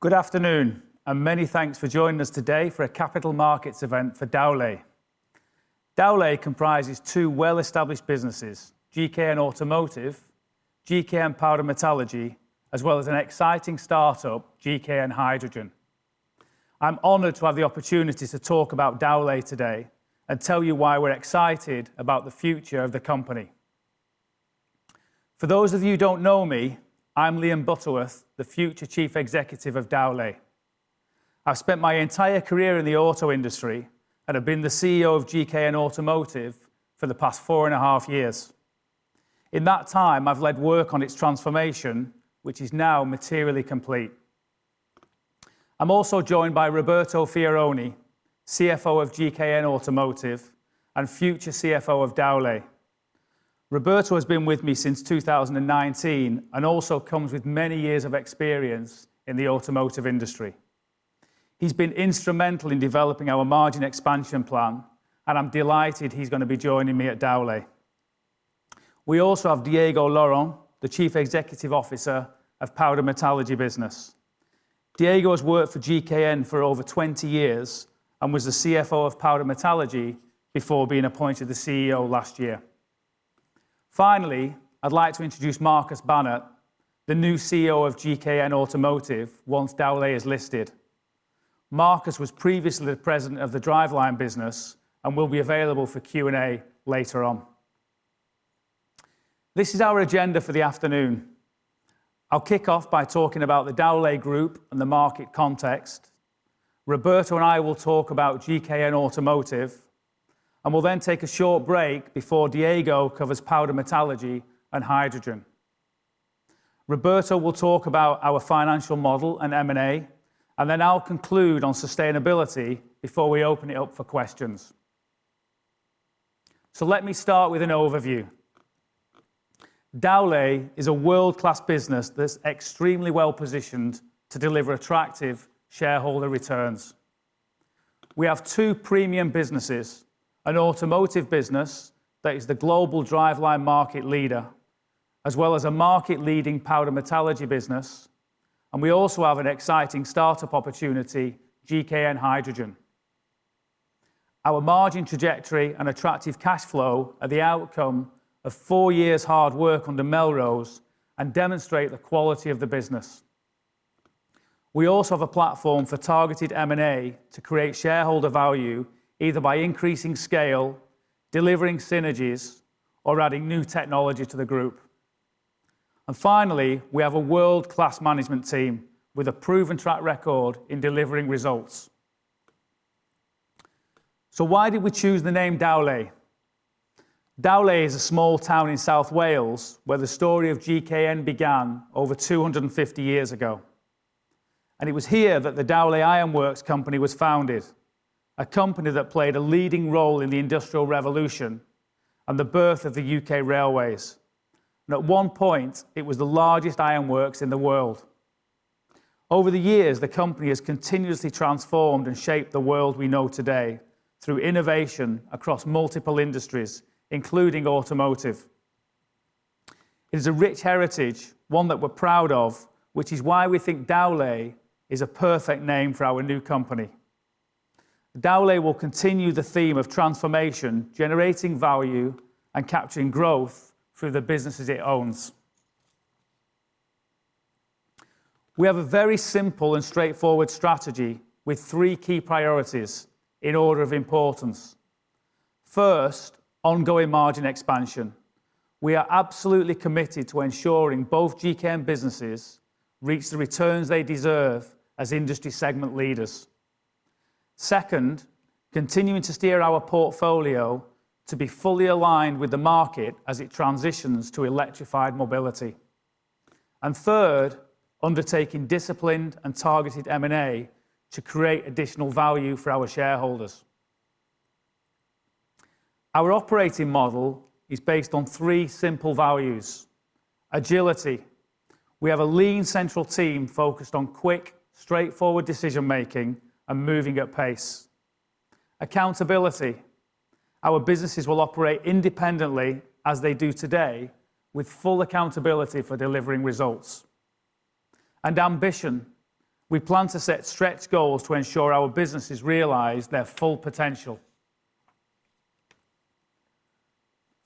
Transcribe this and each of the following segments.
Good afternoon. Many thanks for joining us today for a capital markets event for Dowlais. Dowlais comprises two well-established businesses, GKN Automotive, GKN Powder Metallurgy, as well as an exciting startup, GKN Hydrogen. I'm honored to have the opportunity to talk about Dowlais today and tell you why we're excited about the future of the company. For those of you who don't know me, I'm Liam Butterworth, the future chief executive of Dowlais. I've spent my entire career in the auto industry and have been the CEO of GKN Automotive for the past four and a half years. In that time, I've led work on its transformation, which is now materially complete. I'm also joined by Roberto Fioroni, CFO of GKN Automotive and future CFO of Dowlais. Roberto has been with me since 2019 and also comes with many years of experience in the automotive industry. He's been instrumental in developing our margin expansion plan, and I'm delighted he's gonna be joining me at Dowlais. We also have Diego Laurent, the Chief Executive Officer of Powder Metallurgy business. Diego has worked for GKN for over 20 years and was the CFO of Powder Metallurgy before being appointed the CEO last year. Finally, I'd like to introduce Markus Bannert, the new CEO of GKN Automotive once Dowlais is listed. Markus was previously the President of the driveline business and will be available for Q&A later on. This is our agenda for the afternoon. I'll kick off by talking about the Dowlais Group and the market context. Roberto and I will talk about GKN Automotive, and we'll then take a short break before Diego covers Powder Metallurgy and Hydrogen. Roberto will talk about our financial model and M&A, and then I'll conclude on sustainability before we open it up for questions. Let me start with an overview. Dowlais is a world-class business that's extremely well-positioned to deliver attractive shareholder returns. We have two premium businesses, an automotive business that is the global driveline market leader, as well as a market-leading powder metallurgy business, and we also have an exciting startup opportunity, GKN Hydrogen. Our margin trajectory and attractive cash flow are the outcome of four years hard work under Melrose and demonstrate the quality of the business. We also have a platform for targeted M&A to create shareholder value, either by increasing scale, delivering synergies, or adding new technology to the group. Finally, we have a world-class management team with a proven track record in delivering results. Why did we choose the name Dowlais? Dowlais is a small town in South Wales where the story of GKN began over 250 years ago. It was here that the Dowlais Ironworks company was founded, a company that played a leading role in the Industrial Revolution and the birth of the U.K. railways. At one point, it was the largest ironworks in the world. Over the years, the company has continuously transformed and shaped the world we know today through innovation across multiple industries, including automotive. It is a rich heritage, one that we're proud of, which is why we think Dowlais is a perfect name for our new company. Dowlais will continue the theme of transformation, generating value, and capturing growth through the businesses it owns. We have a very simple and straightforward strategy with three key priorities in order of importance. First, ongoing margin expansion. We are absolutely committed to ensuring both GKN businesses reach the returns they deserve as industry segment leaders. Second, continuing to steer our portfolio to be fully aligned with the market as it transitions to electrified mobility. Third, undertaking disciplined and targeted M&A to create additional value for our shareholders. Our operating model is based on three simple values. Agility. We have a lean central team focused on quick, straightforward decision-making and moving at pace. Accountability. Our businesses will operate independently as they do today with full accountability for delivering results. Ambition. We plan to set stretched goals to ensure our businesses realize their full potential.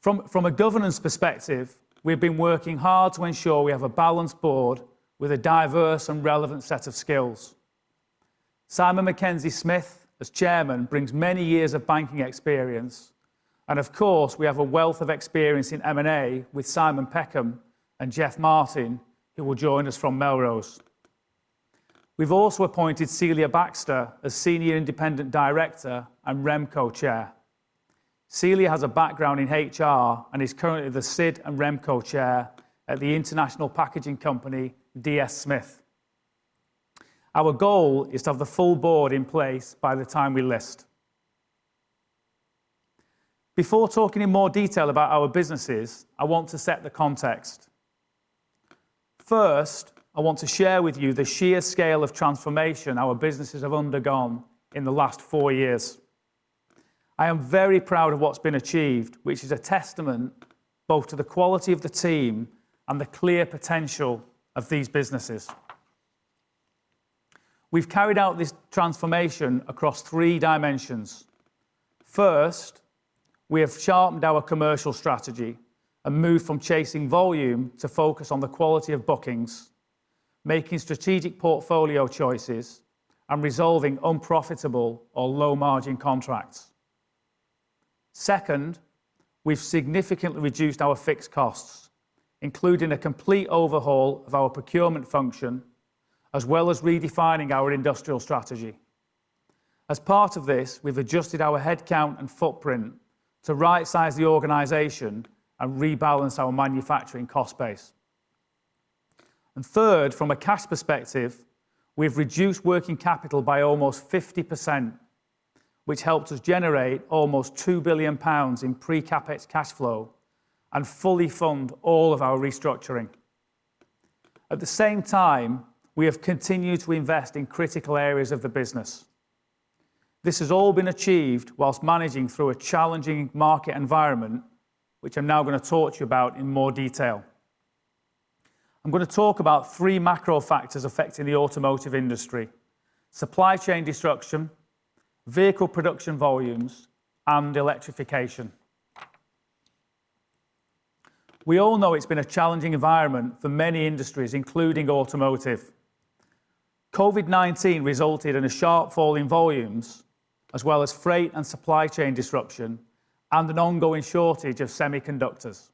From a governance perspective, we've been working hard to ensure we have a balanced board with a diverse and relevant set of skills. Simon Mackenzie-Smith, as chairman, brings many years of banking experience. Of course, we have a wealth of experience in M&A with Simon Peckham and Geoffrey Martin, who will join us from Melrose. We've also appointed Celia Baxter as Senior Independent Director and RemCo Chair. Celia has a background in HR and is currently the SID and RemCo Chair at the international packaging company DS Smith. Our goal is to have the full board in place by the time we list. Before talking in more detail about our businesses, I want to set the context. First, I want to share with you the sheer scale of transformation our businesses have undergone in the last four years. I am very proud of what's been achieved, which is a testament both to the quality of the team and the clear potential of these businesses. We've carried out this transformation across three dimensions. First, we have sharpened our commercial strategy and moved from chasing volume to focus on the quality of bookings, making strategic portfolio choices, and resolving unprofitable or low-margin contracts. Second, we've significantly reduced our fixed costs, including a complete overhaul of our procurement function, as well as redefining our industrial strategy. As part of this, we've adjusted our headcount and footprint to right-size the organization and rebalance our manufacturing cost base. Third, from a cash perspective, we've reduced working capital by almost 50%, which helped us generate almost 2 billion pounds in pre-CapEx cash flow and fully fund all of our restructuring. At the same time, we have continued to invest in critical areas of the business. This has all been achieved whilst managing through a challenging market environment, which I'm now gonna talk to you about in more detail. I'm gonna talk about three macro factors affecting the automotive industry: supply chain disruption, vehicle production volumes, and electrification. We all know it's been a challenging environment for many industries, including automotive. COVID-19 resulted in a sharp fall in volumes, as well as freight and supply chain disruption and an ongoing shortage of semiconductors.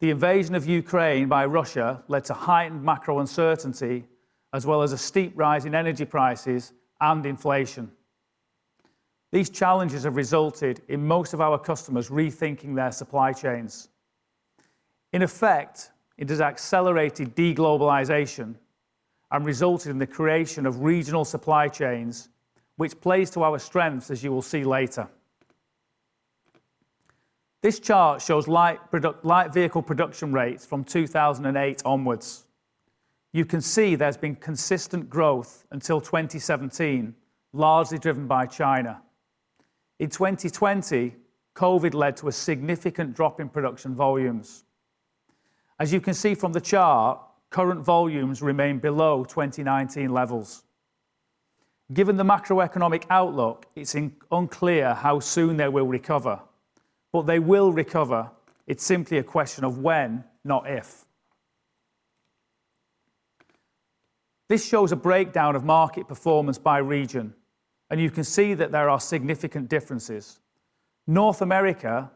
The invasion of Ukraine by Russia led to heightened macro uncertainty, as well as a steep rise in energy prices and inflation. These challenges have resulted in most of our customers rethinking their supply chains. In effect, it has accelerated de-globalization and resulted in the creation of regional supply chains, which plays to our strengths, as you will see later. This chart shows light vehicle production rates from 2008 onwards. You can see there's been consistent growth until 2017, largely driven by China. In 2020, COVID led to a significant drop in production volumes. As you can see from the chart, current volumes remain below 2019 levels. Given the macroeconomic outlook, it's unclear how soon they will recover. They will recover, it's simply a question of when, not if. This shows a breakdown of market performance by region, and you can see that there are significant differences. North America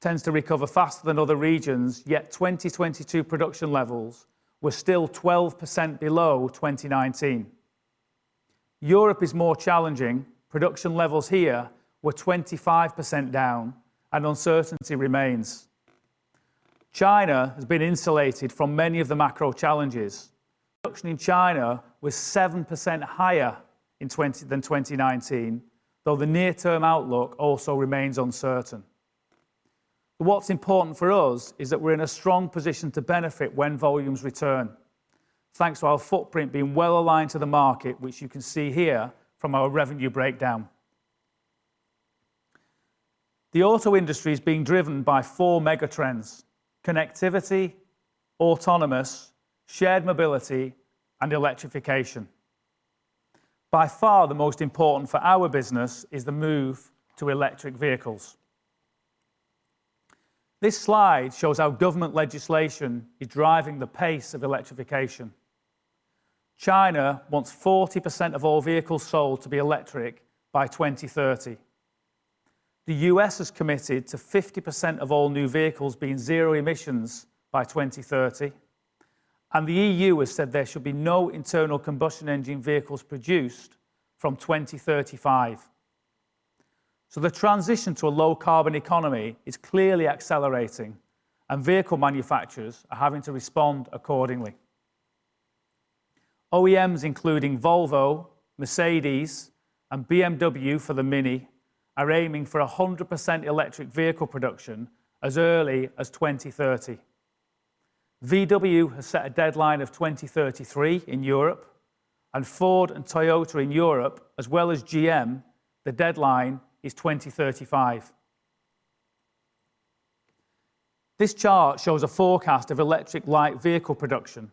tends to recover faster than other regions, yet 2022 production levels were still 12% below 2019. Europe is more challenging. Production levels here were 25% down and uncertainty remains. China has been insulated from many of the macro challenges. Production in China was 7% higher than 2019, though the near-term outlook also remains uncertain. What's important for us is that we're in a strong position to benefit when volumes return, thanks to our footprint being well-aligned to the market, which you can see here from our revenue breakdown. The auto industry is being driven by four mega trends: connectivity, autonomous, shared mobility, and electrification. By far, the most important for our business is the move to electric vehicles. This slide shows how government legislation is driving the pace of electrification. China wants 40% of all vehicles sold to be electric by 2030. The U.S. has committed to 50% of all new vehicles being zero emissions by 2030, and the EU has said there should be no internal combustion engine vehicles produced from 2035. The transition to a low-carbon economy is clearly accelerating, and vehicle manufacturers are having to respond accordingly. OEMs, including Volvo, Mercedes, and BMW for the Mini, are aiming for 100% electric vehicle production as early as 2030. VW has set a deadline of 2033 in Europe, Ford and Toyota in Europe, as well as GM, the deadline is 2035. This chart shows a forecast of electric light vehicle production.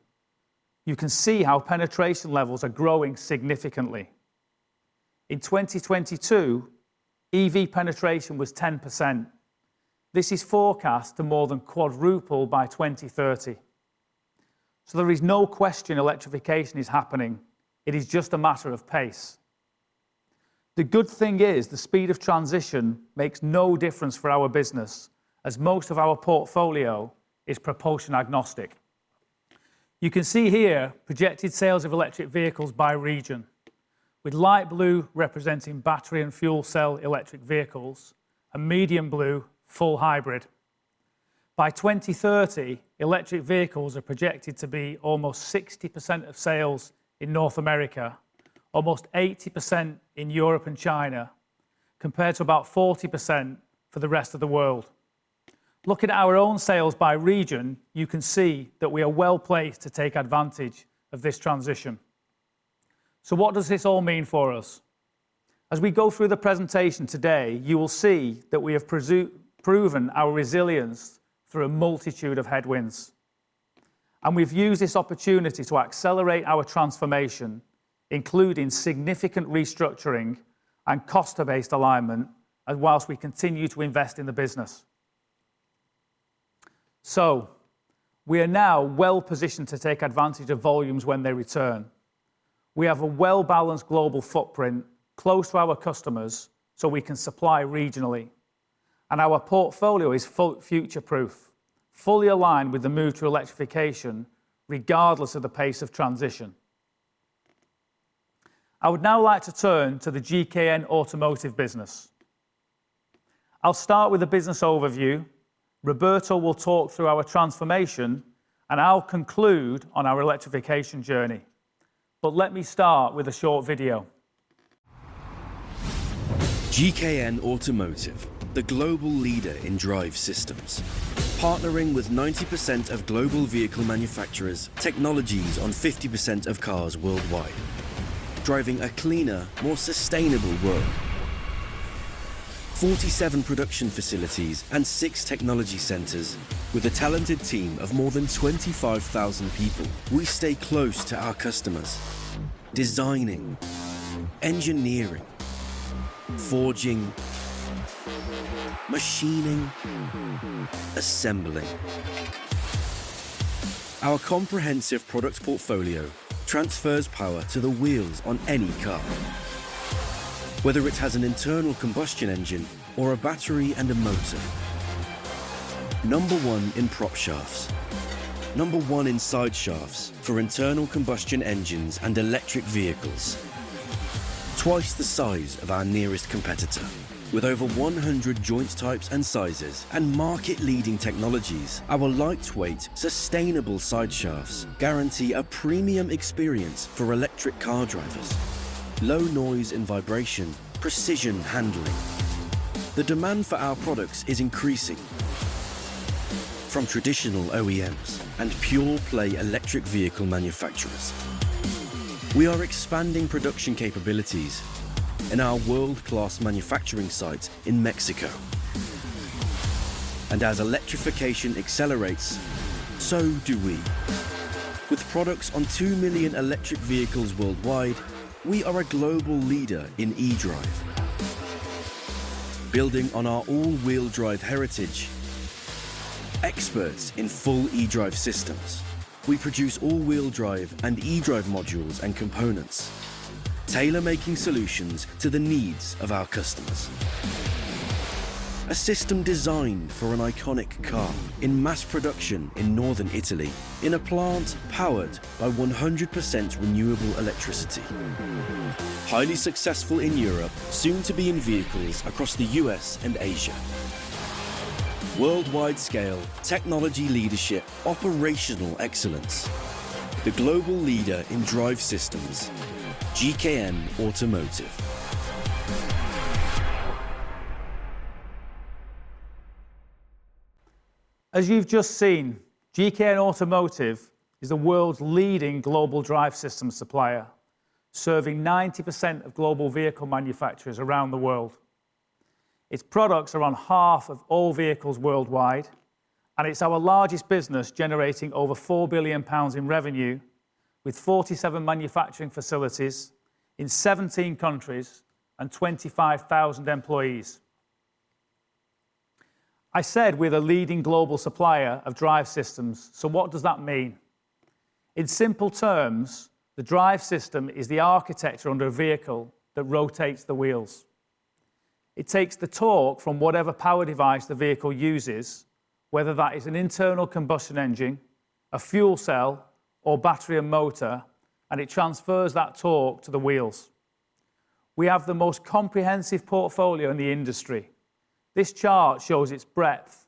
You can see how penetration levels are growing significantly. In 2022, EV penetration was 10%. This is forecast to more than quadruple by 2030. There is no question electrification is happening, it is just a matter of pace. The good thing is the speed of transition makes no difference for our business, as most of our portfolio is propulsion agnostic. You can see here projected sales of electric vehicles by region, with light blue representing battery and fuel cell electric vehicles and medium blue full hybrid. By 2030, electric vehicles are projected to be almost 60% of sales in North America, almost 80% in Europe and China, compared to about 40% for the rest of the world. Look at our own sales by region, you can see that we are well-placed to take advantage of this transition. What does this all mean for us? As we go through the presentation today, you will see that we have proven our resilience through a multitude of headwinds, and we've used this opportunity to accelerate our transformation, including significant restructuring and cost-based alignment, and whilst we continue to invest in the business. We are now well-positioned to take advantage of volumes when they return. We have a well-balanced global footprint close to our customers, so we can supply regionally, and our portfolio is future-proof, fully aligned with the move to electrification regardless of the pace of transition. I would now like to turn to the GKN Automotive business. I'll start with a business overview, Roberto will talk through our transformation, and I'll conclude on our electrification journey. Let me start with a short video. GKN Automotive, the global leader in drive systems. Partnering with 90% of global vehicle manufacturers, technologies on 50% of cars worldwide, driving a cleaner, more sustainable world. 47 production facilities and six technology centers with a talented team of more than 25,000 people, we stay close to our customers, designing, engineering, forging, machining, assembling. Our comprehensive product portfolio transfers power to the wheels on any car, whether it has an internal combustion engine or a battery and a motor. Number one in propshafts. Number one in sideshafts for internal combustion engines and electric vehicles. Twice the size of our nearest competitor. With over 100 joint types and sizes and market-leading technologies, our lightweight, sustainable sideshafts guarantee a premium experience for electric car drivers, low noise and vibration, precision handling. The demand for our products is increasing from traditional OEMs and pure play electric vehicle manufacturers. We are expanding production capabilities in our world-class manufacturing site in Mexico. As electrification accelerates, so do we. With products on 2 million electric vehicles worldwide, we are a global leader in eDrive. Building on our all-wheel drive heritage, experts in full eDrive systems, we produce all-wheel drive and eDrive modules and components, tailor-making solutions to the needs of our customers. A system designed for an iconic car in mass production in northern Italy, in a plant powered by 100% renewable electricity. Highly successful in Europe, soon to be in vehicles across the U.S. and Asia. Worldwide scale, technology leadership, operational excellence, the global leader in drive systems, GKN Automotive. As you've just seen, GKN Automotive is the world's leading global drive system supplier, serving 90% of global vehicle manufacturers around the world. Its products are on half of all vehicles worldwide. It's our largest business, generating over 4 billion pounds in revenue with 47 manufacturing facilities in 17 countries and 25,000 employees. I said we're the leading global supplier of drive systems. What does that mean? In simple terms, the drive system is the architecture under a vehicle that rotates the wheels. It takes the torque from whatever power device the vehicle uses, whether that is an internal combustion engine, a fuel cell or battery and motor, it transfers that torque to the wheels. We have the most comprehensive portfolio in the industry. This chart shows its breadth.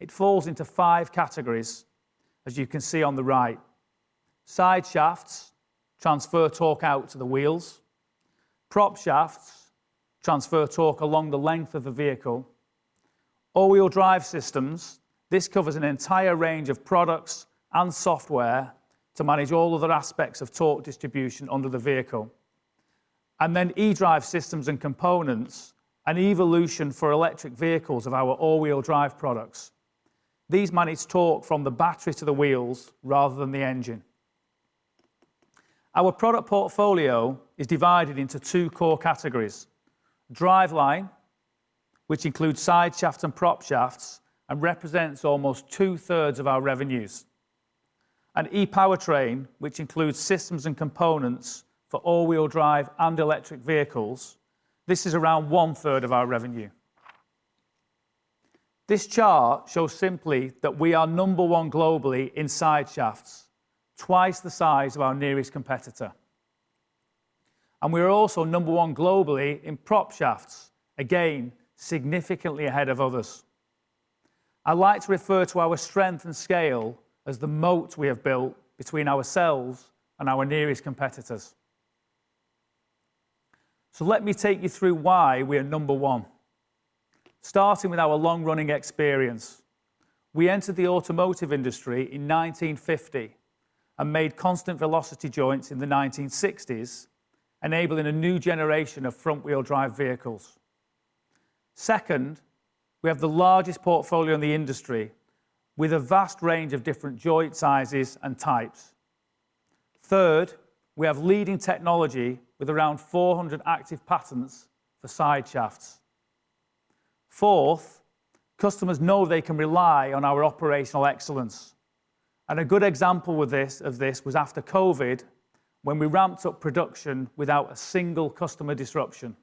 It falls into five categories, as you can see on the right. Sideshafts transfer torque out to the wheels. Propshafts transfer torque along the length of the vehicle. All-wheel drive systems, this covers an entire range of products and software to manage all other aspects of torque distribution under the vehicle. eDrive systems and components, an evolution for electric vehicles of our all-wheel drive products. These manage torque from the battery to the wheels rather than the engine. Our product portfolio is divided into two core categories: driveline, which includes sideshafts and propshafts and represents almost two-thirds of our revenues, and ePowertrain, which includes systems and components for all-wheel drive and electric vehicles. This is around one-third of our revenue. This chart shows simply that we are number one globally in sideshafts, twice the size of our nearest competitor, and we are also number one globally in propshafts, again, significantly ahead of others. I like to refer to our strength and scale as the moat we have built between ourselves and our nearest competitors. Let me take you through why we are number one, starting with our long-running experience. We entered the automotive industry in 1950 and made constant velocity joints in the 1960s, enabling a new generation of front-wheel drive vehicles. Second, we have the largest portfolio in the industry with a vast range of different joint sizes and types. Third, we have leading technology with around 400 active patents for sideshafts. Fourth, customers know they can rely on our operational excellence, and a good example of this was after COVID, when we ramped up production without a single customer disruption.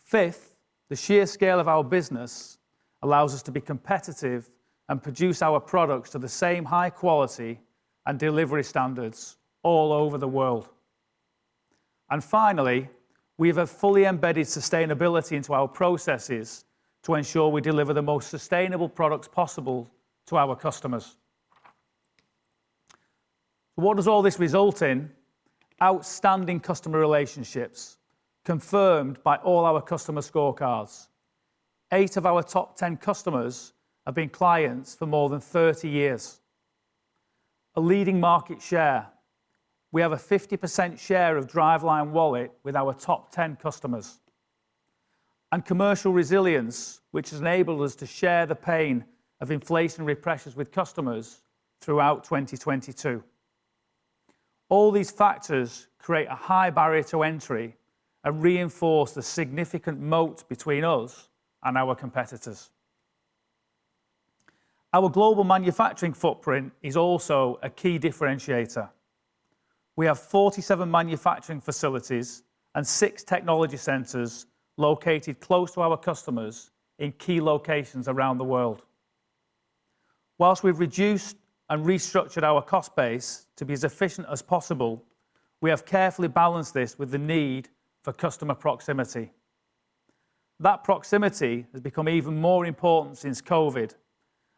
Fifth, the sheer scale of our business allows us to be competitive and produce our products to the same high quality and delivery standards all over the world. Finally, we have a fully embedded sustainability into our processes to ensure we deliver the most sustainable products possible to our customers. What does all this result in? Outstanding customer relationships, confirmed by all our customer scorecards. 8 of our top 10 customers have been clients for more than 30 years. A leading market share. We have a 50% share of driveline wallet with our top 10 customers. Commercial resilience, which has enabled us to share the pain of inflationary pressures with customers throughout 2022. All these factors create a high barrier to entry and reinforce the significant moat between us and our competitors. Our global manufacturing footprint is also a key differentiator. We have 47 manufacturing facilities and 6 technology centers located close to our customers in key locations around the world. Whilst we've reduced and restructured our cost base to be as efficient as possible, we have carefully balanced this with the need for customer proximity. That proximity has become even more important since COVID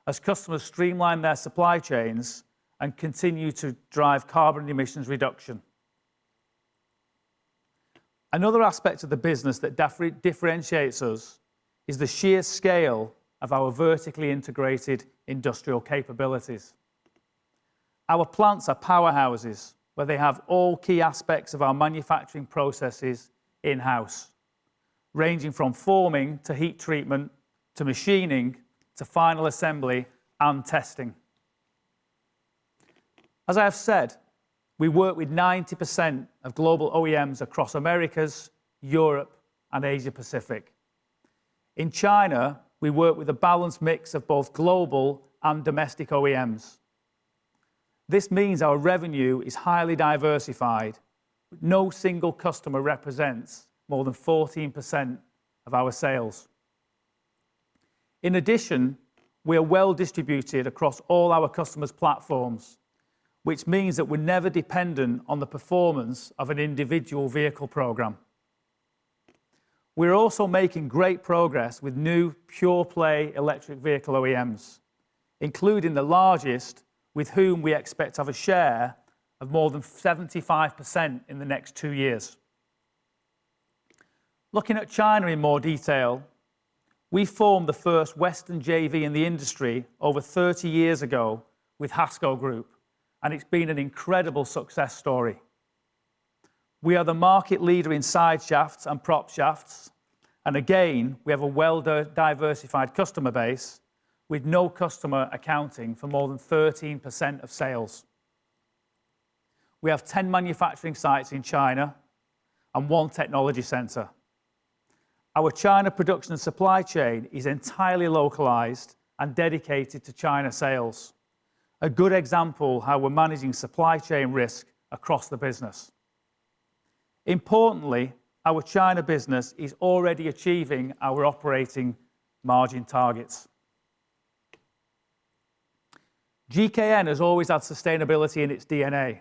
as customers streamline their supply chains and continue to drive carbon emissions reduction. Another aspect of the business that differentiates us is the sheer scale of our vertically integrated industrial capabilities. Our plants are powerhouses, where they have all key aspects of our manufacturing processes in-house, ranging from forming to heat treatment, to machining, to final assembly and testing. As I have said, we work with 90% of global OEMs across Americas, Europe, and Asia Pacific. In China, we work with a balanced mix of both global and domestic OEMs. This means our revenue is highly diversified. No single customer represents more than 14% of our sales. In addition, we are well distributed across all our customers' platforms, which means that we're never dependent on the performance of an individual vehicle program. We're also making great progress with new pure play electric vehicle OEMs, including the largest with whom we expect to have a share of more than 75% in the next two years. Looking at China in more detail, we formed the first Western JV in the industry over 30 years ago with HASCO Group, and it's been an incredible success story. We are the market leader in sideshafts and propshafts, and again, we have a well diversified customer base with no customer accounting for more than 13% of sales. We have 10 manufacturing sites in China and 1 technology center. Our China production and supply chain is entirely localized and dedicated to China sales. A good example how we're managing supply chain risk across the business. Importantly, our China business is already achieving our operating margin targets. GKN has always had sustainability in its DNA.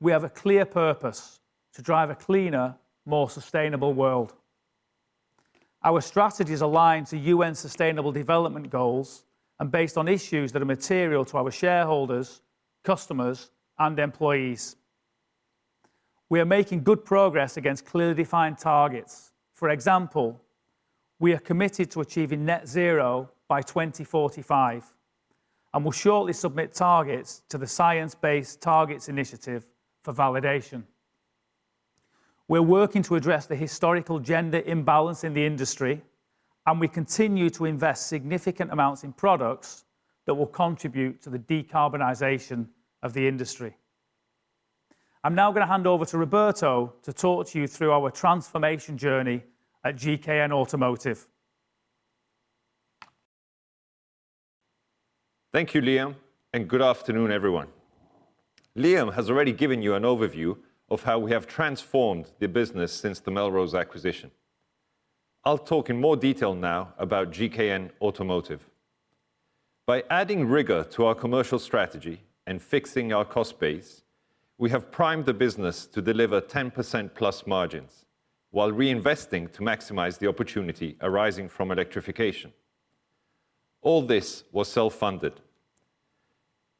We have a clear purpose: to drive a cleaner, more sustainable world. Our strategies align to UN Sustainable Development Goals and based on issues that are material to our shareholders, customers, and employees. We are making good progress against clearly defined targets. For example, we are committed to achieving net zero by 2045, and we'll shortly submit targets to the Science Based Targets initiative for validation. We're working to address the historical gender imbalance in the industry, and we continue to invest significant amounts in products that will contribute to the decarbonization of the industry. I'm now gonna hand over to Roberto to talk to you through our transformation journey at GKN Automotive. Thank you, Liam, and good afternoon, everyone. Liam has already given you an overview of how we have transformed the business since the Melrose acquisition. I'll talk in more detail now about GKN Automotive. By adding rigor to our commercial strategy and fixing our cost base, we have primed the business to deliver 10% plus margins while reinvesting to maximize the opportunity arising from electrification. All this was self-funded.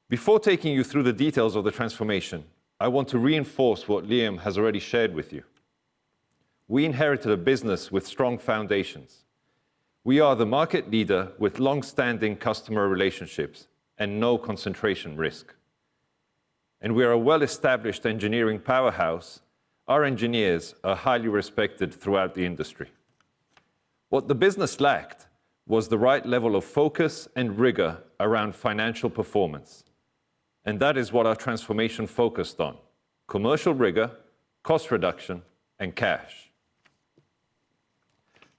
Before taking you through the details of the transformation, I want to reinforce what Liam has already shared with you. We inherited a business with strong foundations. We are the market leader with long-standing customer relationships and no concentration risk. We are a well-established engineering powerhouse. Our engineers are highly respected throughout the industry. What the business lacked was the right level of focus and rigor around financial performance. That is what our transformation focused on: commercial rigor, cost reduction, and cash.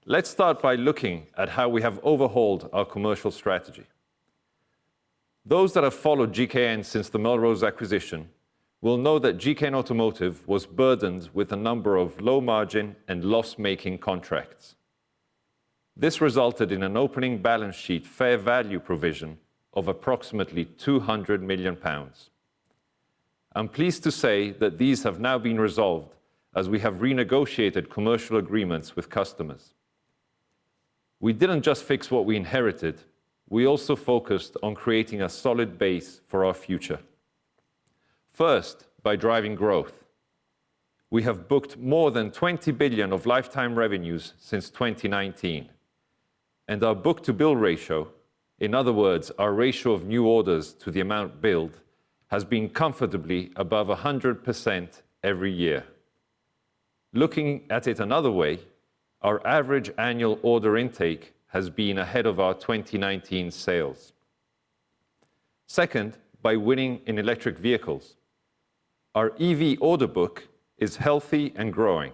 Let's start by looking at how we have overhauled our commercial strategy. Those that have followed GKN since the Melrose acquisition will know that GKN Automotive was burdened with a number of low-margin and loss-making contracts. This resulted in an opening balance sheet fair value provision of approximately 200 million pounds. I'm pleased to say that these have now been resolved as we have renegotiated commercial agreements with customers. We didn't just fix what we inherited, we also focused on creating a solid base for our future. First, by driving growth. We have booked more than 20 billion of lifetime revenues since 2019. Our book-to-bill ratio, in other words, our ratio of new orders to the amount billed, has been comfortably above 100% every year. Looking at it another way, our average annual order intake has been ahead of our 2019 sales. Second, by winning in electric vehicles. Our EV order book is healthy and growing.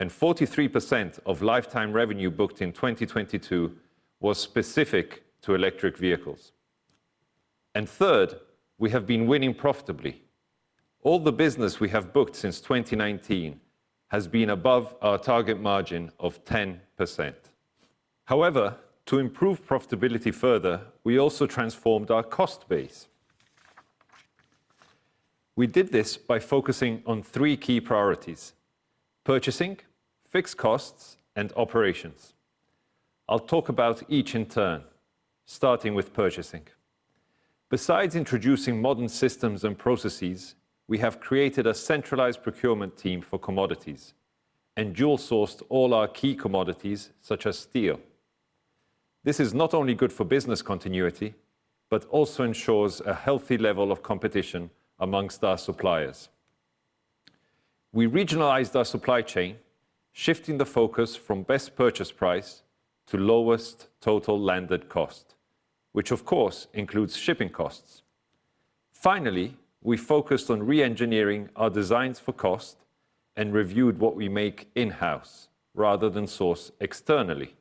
43% of lifetime revenue booked in 2022 was specific to electric vehicles. Third, we have been winning profitably. All the business we have booked since 2019 has been above our target margin of 10%. However, to improve profitability further, we also transformed our cost base. We did this by focusing on three key priorities: purchasing, fixed costs, and operations. I'll talk about each in turn, starting with purchasing. Besides introducing modern systems and processes, we have created a centralized procurement team for commodities and dual-sourced all our key commodities, such as steel. This is not only good for business continuity, but also ensures a healthy level of competition amongst our suppliers. We regionalized our supply chain, shifting the focus from best purchase price to lowest total landed cost, which of course includes shipping costs. Finally, we focused on re-engineering our designs for cost and reviewed what we make in-house rather than source externally.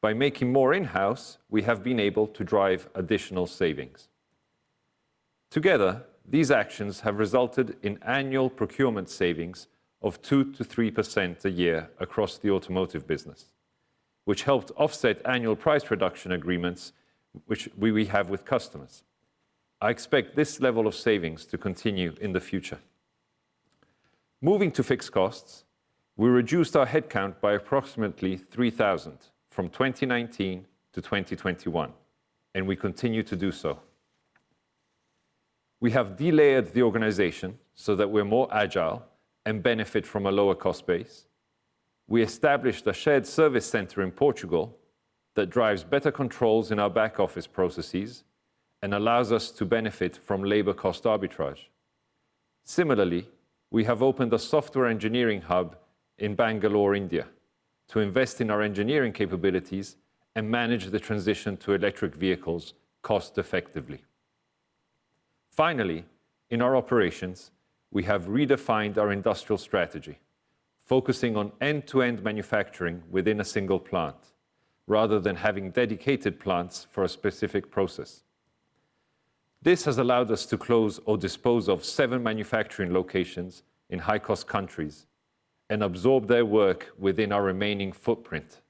By making more in-house, we have been able to drive additional savings. Together, these actions have resulted in annual procurement savings of 2%-3% a year across the automotive business, which helped offset annual price reduction agreements which we will have with customers. I expect this level of savings to continue in the future. Moving to fixed costs, we reduced our headcount by approximately 3,000 from 2019 to 2021. We continue to do so. We have de-layered the organization so that we're more agile and benefit from a lower cost base. We established a shared service center in Portugal that drives better controls in our back-office processes and allows us to benefit from labor cost arbitrage. Similarly, we have opened a software engineering hub in Bangalore, India, to invest in our engineering capabilities and manage the transition to electric vehicles cost effectively. Finally, in our operations, we have redefined our industrial strategy, focusing on end-to-end manufacturing within a single plant rather than having dedicated plants for a specific process. This has allowed us to close or dispose off seven manufacturing locations in high-cost countries and absorb their work within our remaining footprint.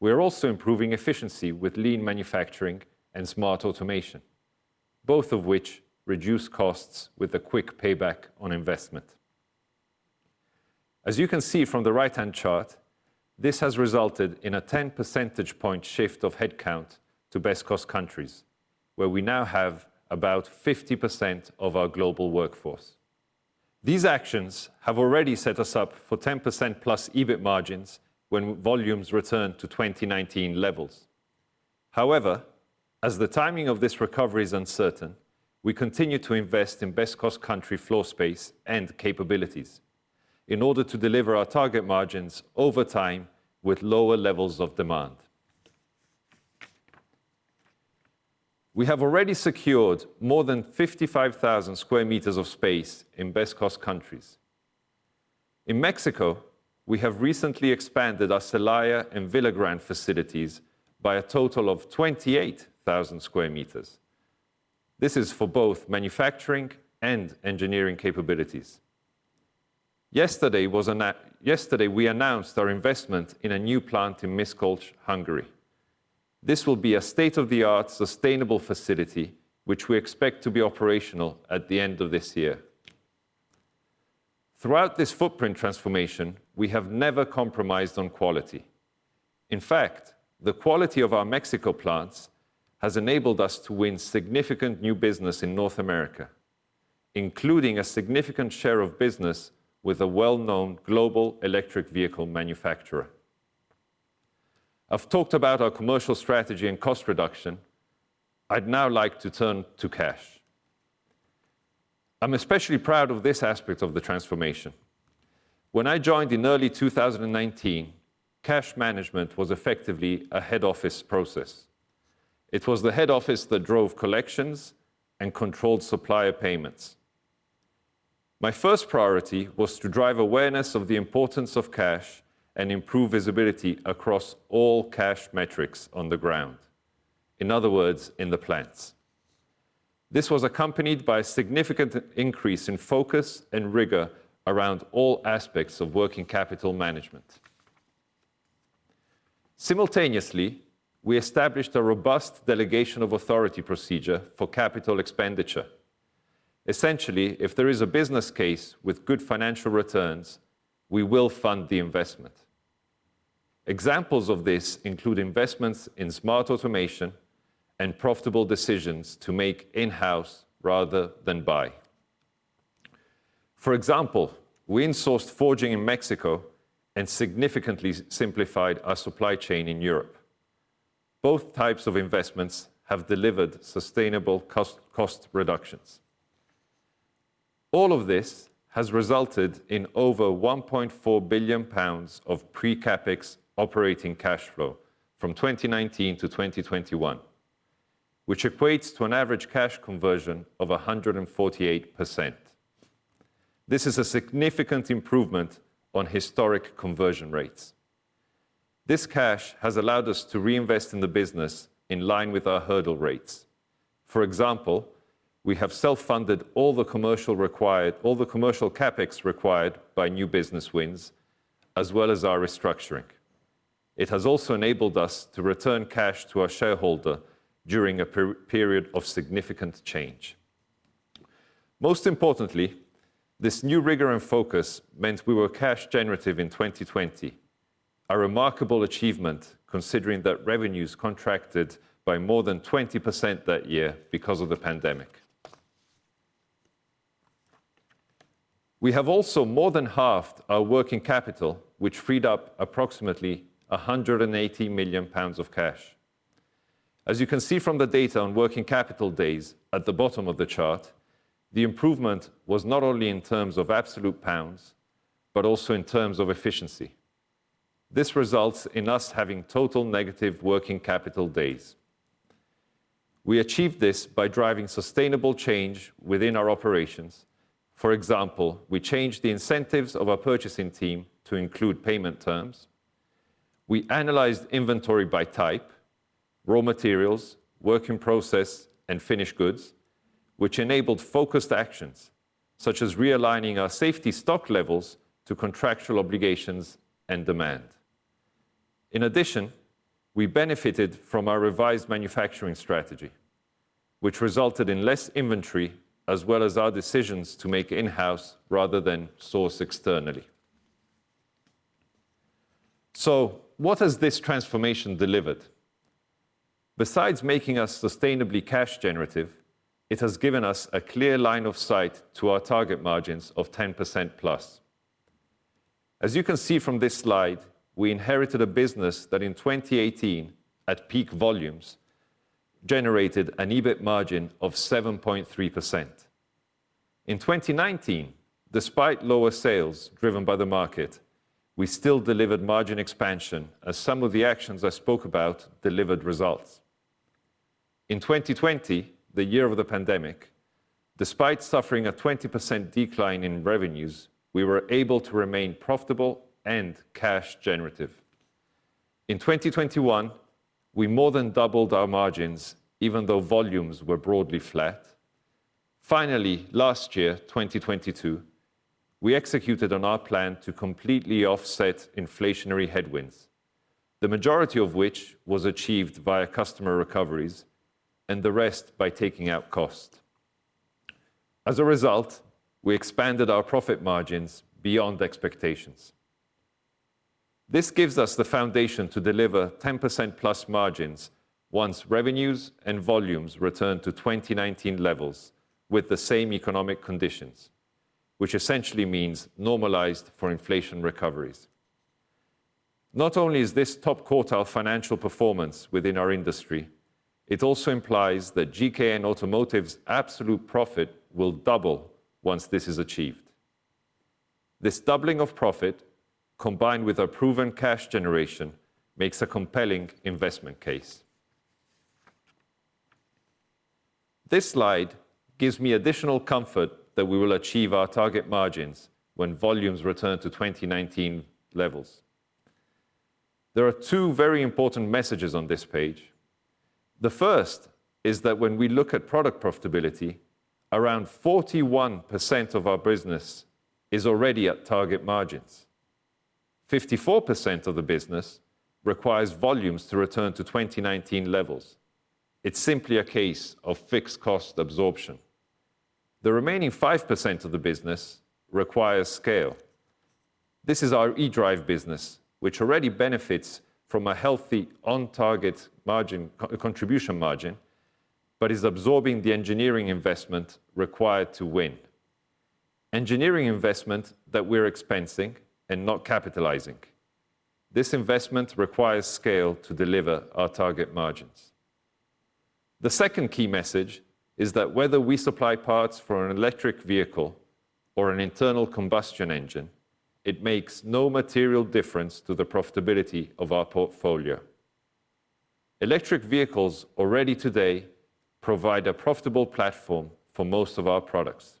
We are also improving efficiency with lean manufacturing and smart automation, both of which reduce costs with a quick payback on investment. As you can see from the right-hand chart, this has resulted in a 10 percentage point shift of headcount to best cost countries where we now have about 50% of our global workforce. These actions have already set us up for 10% plus EBIT margins when volumes return to 2019 levels. As the timing of this recovery is uncertain, we continue to invest in best cost country floor space and capabilities in order to deliver our target margins over time with lower levels of demand. We have already secured more than 55,000 square meters of space in best cost countries. In Mexico, we have recently expanded our Celaya and Villagrán facilities by a total of 28,000 square meters. This is for both manufacturing and engineering capabilities. Yesterday we announced our investment in a new plant in Miskolc, Hungary. This will be a state-of-the-art sustainable facility which we expect to be operational at the end of this year. Throughout this footprint transformation, we have never compromised on quality. In fact, the quality of our Mexico plants has enabled us to win significant new business in North America, including a significant share of business with a well-known global electric vehicle manufacturer. I've talked about our commercial strategy and cost reduction. I'd now like to turn to cash. I'm especially proud of this aspect of the transformation. When I joined in early 2019, cash management was effectively a head office process. It was the head office that drove collections and controlled supplier payments. My first priority was to drive awareness of the importance of cash and improve visibility across all cash metrics on the ground. In other words, in the plants. This was accompanied by a significant increase in focus and rigor around all aspects of working capital management. Simultaneously, we established a robust delegation of authority procedure for capital expenditure. Essentially, if there is a business case with good financial returns, we will fund the investment. Examples of this include investments in smart automation and profitable decisions to make in-house rather than buy. For example, we insourced forging in Mexico and significantly simplified our supply chain in Europe. Both types of investments have delivered sustainable cost reductions. All of this has resulted in over 1.4 billion pounds of pre-CapEx operating cash flow from 2019 to 2021, which equates to an average cash conversion of 148%. This is a significant improvement on historic conversion rates. This cash has allowed us to reinvest in the business in line with our hurdle rates. For example, we have self-funded all the commercial CapEx required by new business wins, as well as our restructuring. It has also enabled us to return cash to our shareholder during a period of significant change. Most importantly, this new rigor and focus meant we were cash generative in 2020, a remarkable achievement considering that revenues contracted by more than 20% that year because of the pandemic. We have also more than halved our working capital, which freed up approximately 180 million pounds of cash. As you can see from the data on working capital days at the bottom of the chart, the improvement was not only in terms of absolute pounds, but also in terms of efficiency. This results in us having total negative working capital days. We achieved this by driving sustainable change within our operations. For example, we changed the incentives of our purchasing team to include payment terms. We analyzed inventory by type, raw materials, work in process, and finished goods, which enabled focused actions such as realigning our safety stock levels to contractual obligations and demand. In addition, we benefited from our revised manufacturing strategy, which resulted in less inventory, as well as our decisions to make in-house rather than source externally. What has this transformation delivered? Besides making us sustainably cash generative, it has given us a clear line of sight to our target margins of 10%+. As you can see from this slide, we inherited a business that in 2018, at peak volumes, generated an EBIT margin of 7.3%. In 2019, despite lower sales driven by the market, we still delivered margin expansion as some of the actions I spoke about delivered results. In 2020, the year of the pandemic, despite suffering a 20% decline in revenues, we were able to remain profitable and cash generative. In 2021, we more than doubled our margins, even though volumes were broadly flat. Finally, last year, 2022, we executed on our plan to completely offset inflationary headwinds, the majority of which was achieved via customer recoveries and the rest by taking out cost. We expanded our profit margins beyond expectations. This gives us the foundation to deliver 10%+ margins once revenues and volumes return to 2019 levels with the same economic conditions, which essentially means normalized for inflation recoveries. Not only is this top quartile financial performance within our industry, it also implies that GKN Automotive's absolute profit will double once this is achieved. This doubling of profit, combined with our proven cash generation, makes a compelling investment case. This slide gives me additional comfort that we will achieve our target margins when volumes return to 2019 levels. There are two very important messages on this page. The first is that when we look at product profitability, around 41% of our business is already at target margins. 54% of the business requires volumes to return to 2019 levels. It's simply a case of fixed cost absorption. The remaining 5% of the business requires scale. This is our eDrive business, which already benefits from a healthy on target margin, contribution margin, but is absorbing the engineering investment required to win. Engineering investment that we're expensing and not capitalizing. This investment requires scale to deliver our target margins. The second key message is that whether we supply parts for an electric vehicle or an internal combustion engine, it makes no material difference to the profitability of our portfolio. Electric vehicles already today provide a profitable platform for most of our products.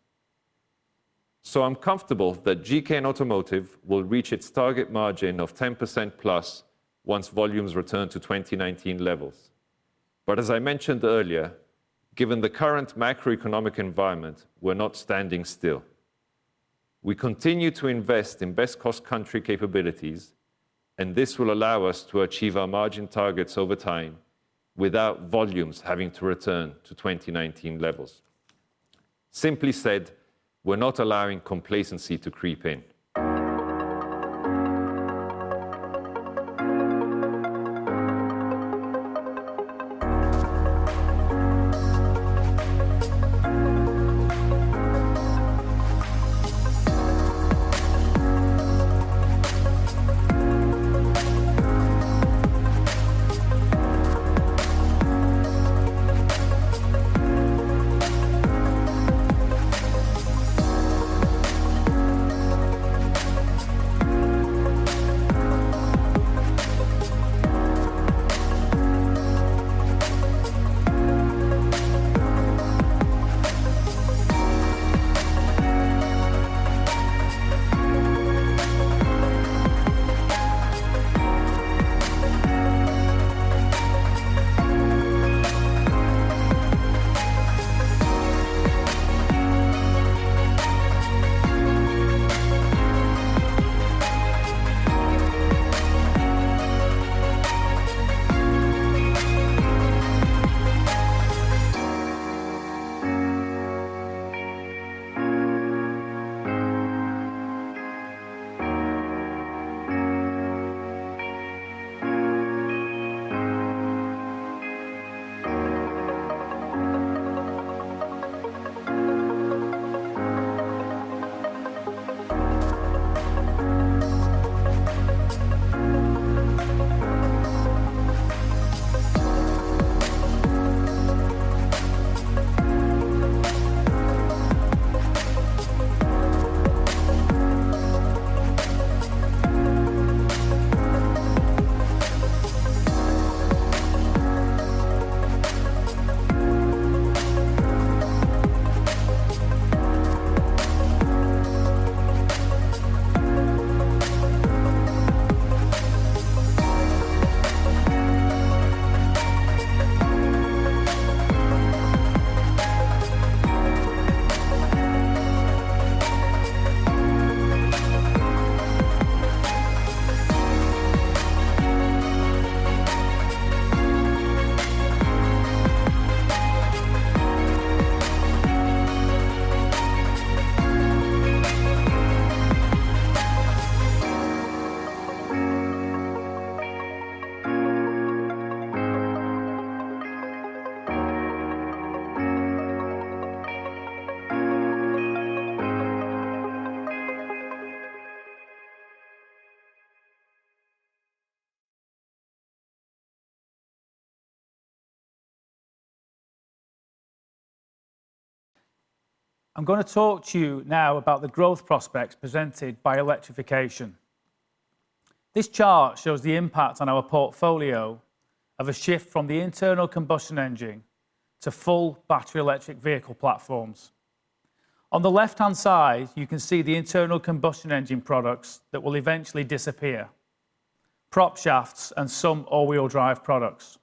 I'm comfortable that GKN Automotive will reach its target margin of 10%+ once volumes return to 2019 levels. As I mentioned earlier, given the current macroeconomic environment, we're not standing still. We continue to invest in best cost country capabilities. This will allow us to achieve our margin targets over time without volumes having to return to 2019 levels. Simply said, we're not allowing complacency to creep in. I'm gonna talk to you now about the growth prospects presented by electrification. This chart shows the impact on our portfolio of a shift from the internal combustion engine to full battery electric vehicle platforms. On the left-hand side, you can see the internal combustion engine products that will eventually disappear, propshafts, and some all-wheel drive products.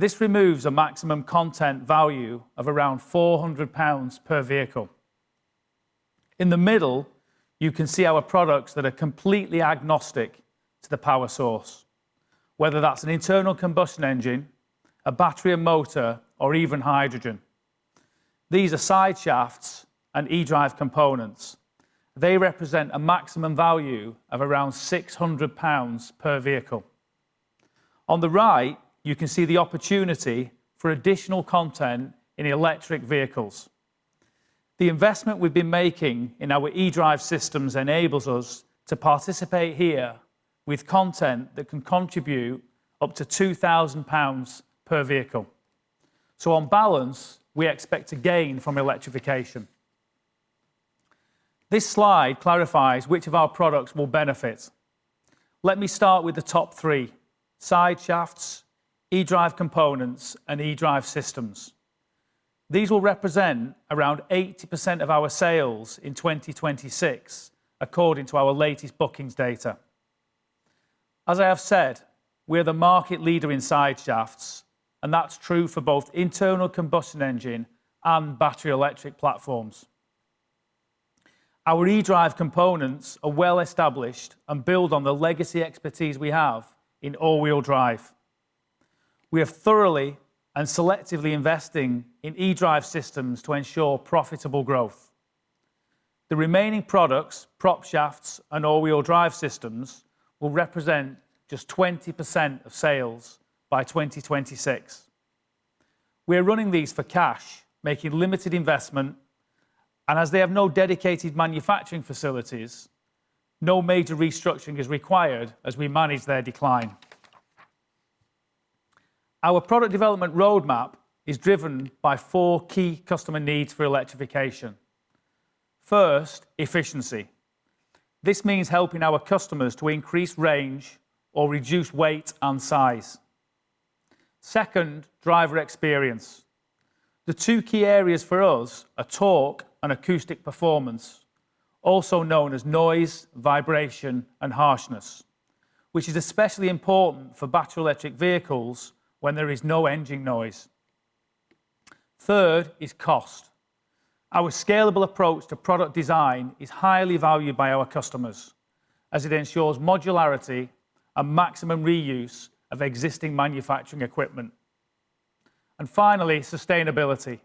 This removes a maximum content value of around 400 pounds per vehicle. In the middle, you can see our products that are completely agnostic to the power source, whether that's an internal combustion engine, a battery and motor, or even hydrogen. These are sideshafts and eDrive components. They represent a maximum value of around 600 pounds per vehicle. On the right, you can see the opportunity for additional content in electric vehicles. The investment we've been making in our eDrive systems enables us to participate here with content that can contribute up to 2,000 pounds per vehicle. On balance, we expect to gain from electrification. This slide clarifies which of our products will benefit. Let me start with the top three, sideshafts, eDrive components, and eDrive systems. These will represent around 80% of our sales in 2026 according to our latest bookings data. As I have said, we are the market leader in sideshafts, and that's true for both internal combustion engine and battery electric platforms. Our eDrive components are well established and build on the legacy expertise we have in all-wheel drive. We are thoroughly and selectively investing in eDrive systems to ensure profitable growth. The remaining products, propshafts, and all-wheel drive systems, will represent just 20% of sales by 2026. We are running these for cash, making limited investment, and as they have no dedicated manufacturing facilities, no major restructuring is required as we manage their decline. Our product development roadmap is driven by four key customer needs for electrification. First, efficiency. This means helping our customers to increase range or reduce weight and size. Second, driver experience. The two key areas for us are torque and acoustic performance, also known as noise, vibration, and harshness, which is especially important for battery electric vehicles when there is no engine noise. Third is cost. Our scalable approach to product design is highly valued by our customers as it ensures modularity and maximum reuse of existing manufacturing equipment. Finally, sustainability.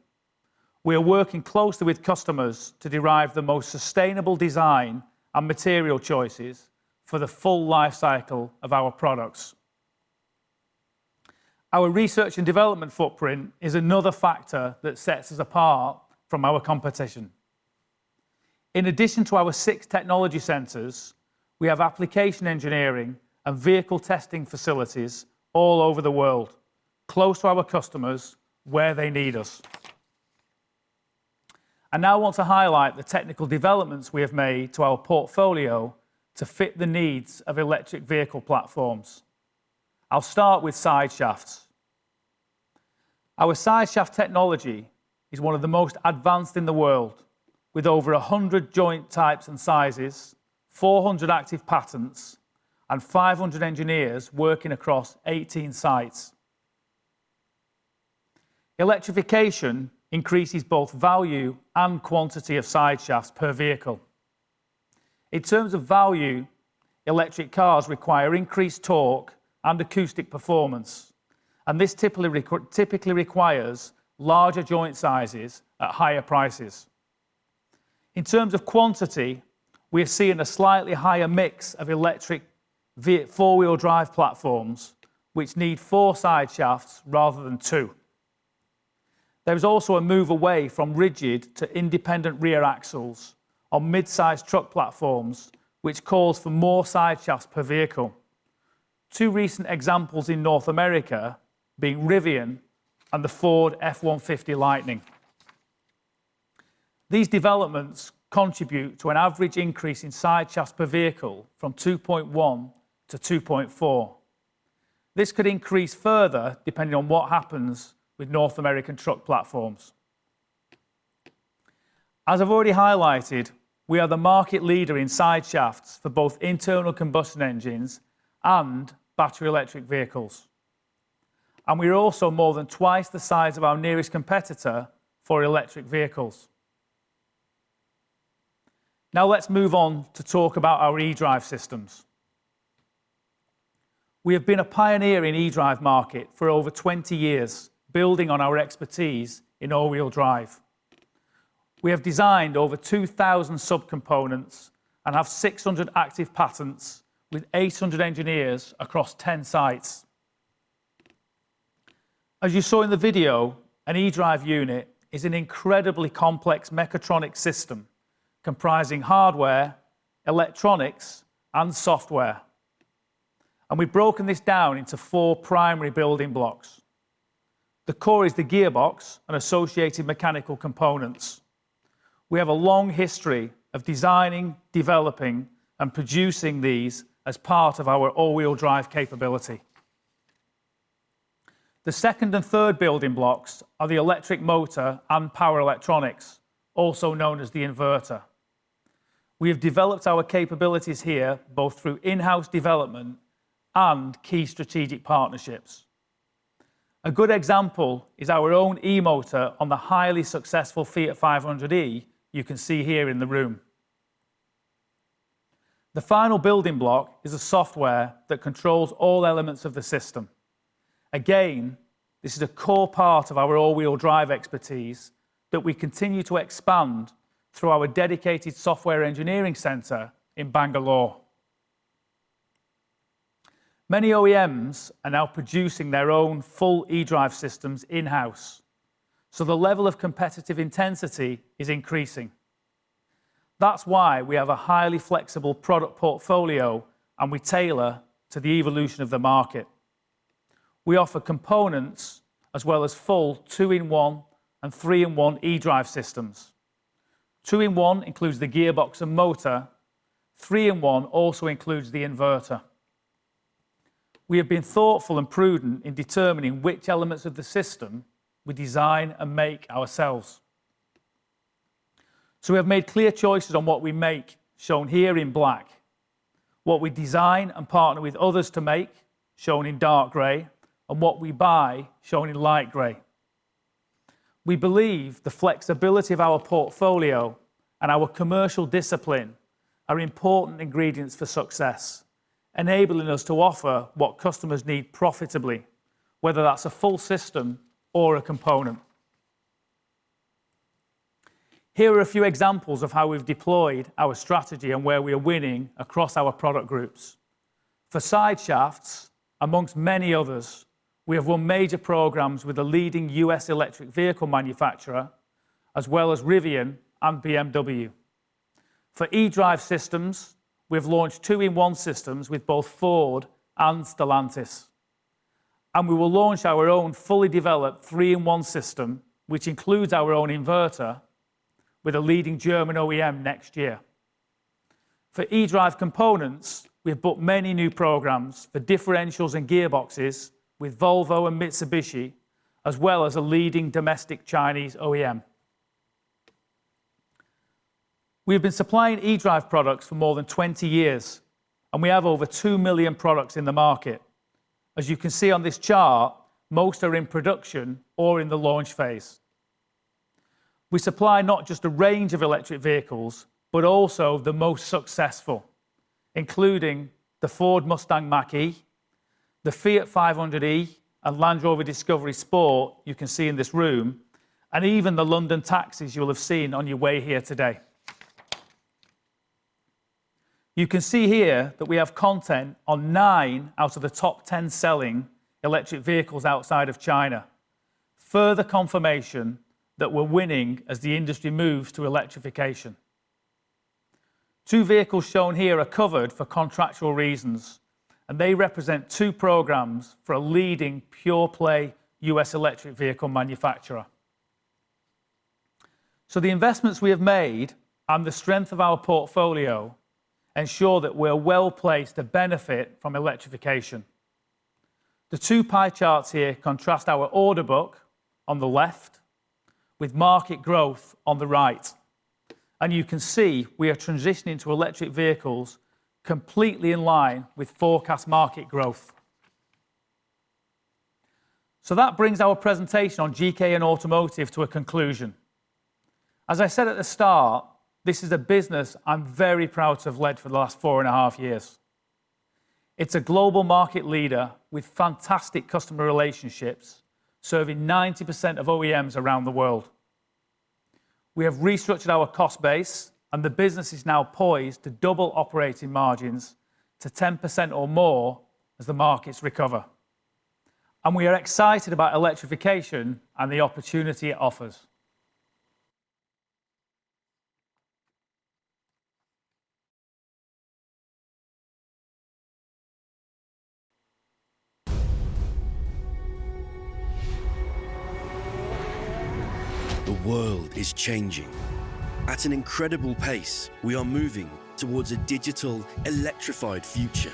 We are working closely with customers to derive the most sustainable design and material choices for the full life cycle of our products. Our research and development footprint is another factor that sets us apart from our competition. In addition to our six technology centers, we have application engineering and vehicle testing facilities all over the world, close to our customers where they need us. I now want to highlight the technical developments we have made to our portfolio to fit the needs of electric vehicle platforms. I'll start with sideshafts. Our sideshaft technology is one of the most advanced in the world, with over 100 joint types and sizes, 400 active patents, and 500 engineers working across 18 sites. Electrification increases both value and quantity of sideshafts per vehicle. In terms of value, electric cars require increased torque and acoustic performance, and this typically requires larger joint sizes at higher prices. In terms of quantity, we are seeing a slightly higher mix of electric four-wheel drive platforms which need 4 sideshafts rather than 2. There is also a move away from rigid to independent rear axles on mid-size truck platforms which calls for more sideshafts per vehicle. Two recent examples in North America being Rivian and the Ford F-150 Lightning. These developments contribute to an average increase in sideshafts per vehicle from 2.1-2.4. This could increase further depending on what happens with North American truck platforms. As I've already highlighted, we are the market leader in sideshafts for both internal combustion engines and battery electric vehicles, and we're also more than twice the size of our nearest competitor for electric vehicles. Now let's move on to talk about our eDrive systems. We have been a pioneer in eDrive market for over 20 years, building on our expertise in all-wheel drive. We have designed over 2,000 sub-components and have 600 active patents with 800 engineers across 10 sites. As you saw in the video, an eDrive unit is an incredibly complex mechatronic system comprising hardware, electronics, and software, and we've broken this down into four primary building blocks. The core is the gearbox and associated mechanical components. We have a long history of designing, developing, and producing these as part of our all-wheel drive capability. The second and third building blocks are the electric motor and power electronics, also known as the inverter. We have developed our capabilities here both through in-house development and key strategic partnerships. A good example is our own eMotor on the highly successful Fiat 500e you can see here in the room. The final building block is a software that controls all elements of the system. This is a core part of our all-wheel drive expertise that we continue to expand through our dedicated software engineering center in Bangalore. Many OEMs are now producing their own full eDrive systems in-house, the level of competitive intensity is increasing. That's why we have a highly flexible product portfolio, and we tailor to the evolution of the market. We offer components as well as full two-in-one and three-in-one eDrive systems. Two-in-one includes the gearbox and motor. Three-in-one also includes the inverter. We have been thoughtful and prudent in determining which elements of the system we design and make ourselves. We have made clear choices on what we make, shown here in black, what we design and partner with others to make, shown in dark gray, and what we buy, shown in light gray. We believe the flexibility of our portfolio and our commercial discipline are important ingredients for success, enabling us to offer what customers need profitably, whether that's a full system or a component. Here are a few examples of how we've deployed our strategy and where we are winning across our product groups. For sideshafts, amongst many others, we have won major programs with a leading U.S. electric vehicle manufacturer, as well as Rivian and BMW. For eDrive systems, we've launched two-in-one systems with both Ford and Stellantis. We will launch our own fully developed three-in-one system, which includes our own inverter, with a leading German OEM next year. For eDrive components, we have booked many new programs for differentials and gearboxes with Volvo and Mitsubishi, as well as a leading domestic Chinese OEM. We have been supplying eDrive products for more than 20 years. We have over 2 million products in the market. As you can see on this chart, most are in production or in the launch phase. We supply not just a range of electric vehicles, but also the most successful, including the Ford Mustang Mach-E, the Fiat 500e, and Land Rover Discovery Sport you can see in this room, and even the London taxis you'll have seen on your way here today. You can see here that we have content on nine out of the top 10 selling electric vehicles outside of China. Further confirmation that we're winning as the industry moves to electrification. Two vehicles shown here are covered for contractual reasons, and they represent two programs for a leading pure-play U.S. electric vehicle manufacturer. The investments we have made and the strength of our portfolio ensure that we're well-placed to benefit from electrification. The two pie charts here contrast our order book on the left with market growth on the right, and you can see we are transitioning to electric vehicles completely in line with forecast market growth. That brings our presentation on GKN Automotive to a conclusion. As I said at the start, this is a business I'm very proud to have led for the last four and a half years. It's a global market leader with fantastic customer relationships, serving 90% of OEMs around the world. We have restructured our cost base, and the business is now poised to double operating margins to 10% or more as the markets recover. We are excited about electrification and the opportunity it offers. The world is changing. At an incredible pace, we are moving towards a digital, electrified future.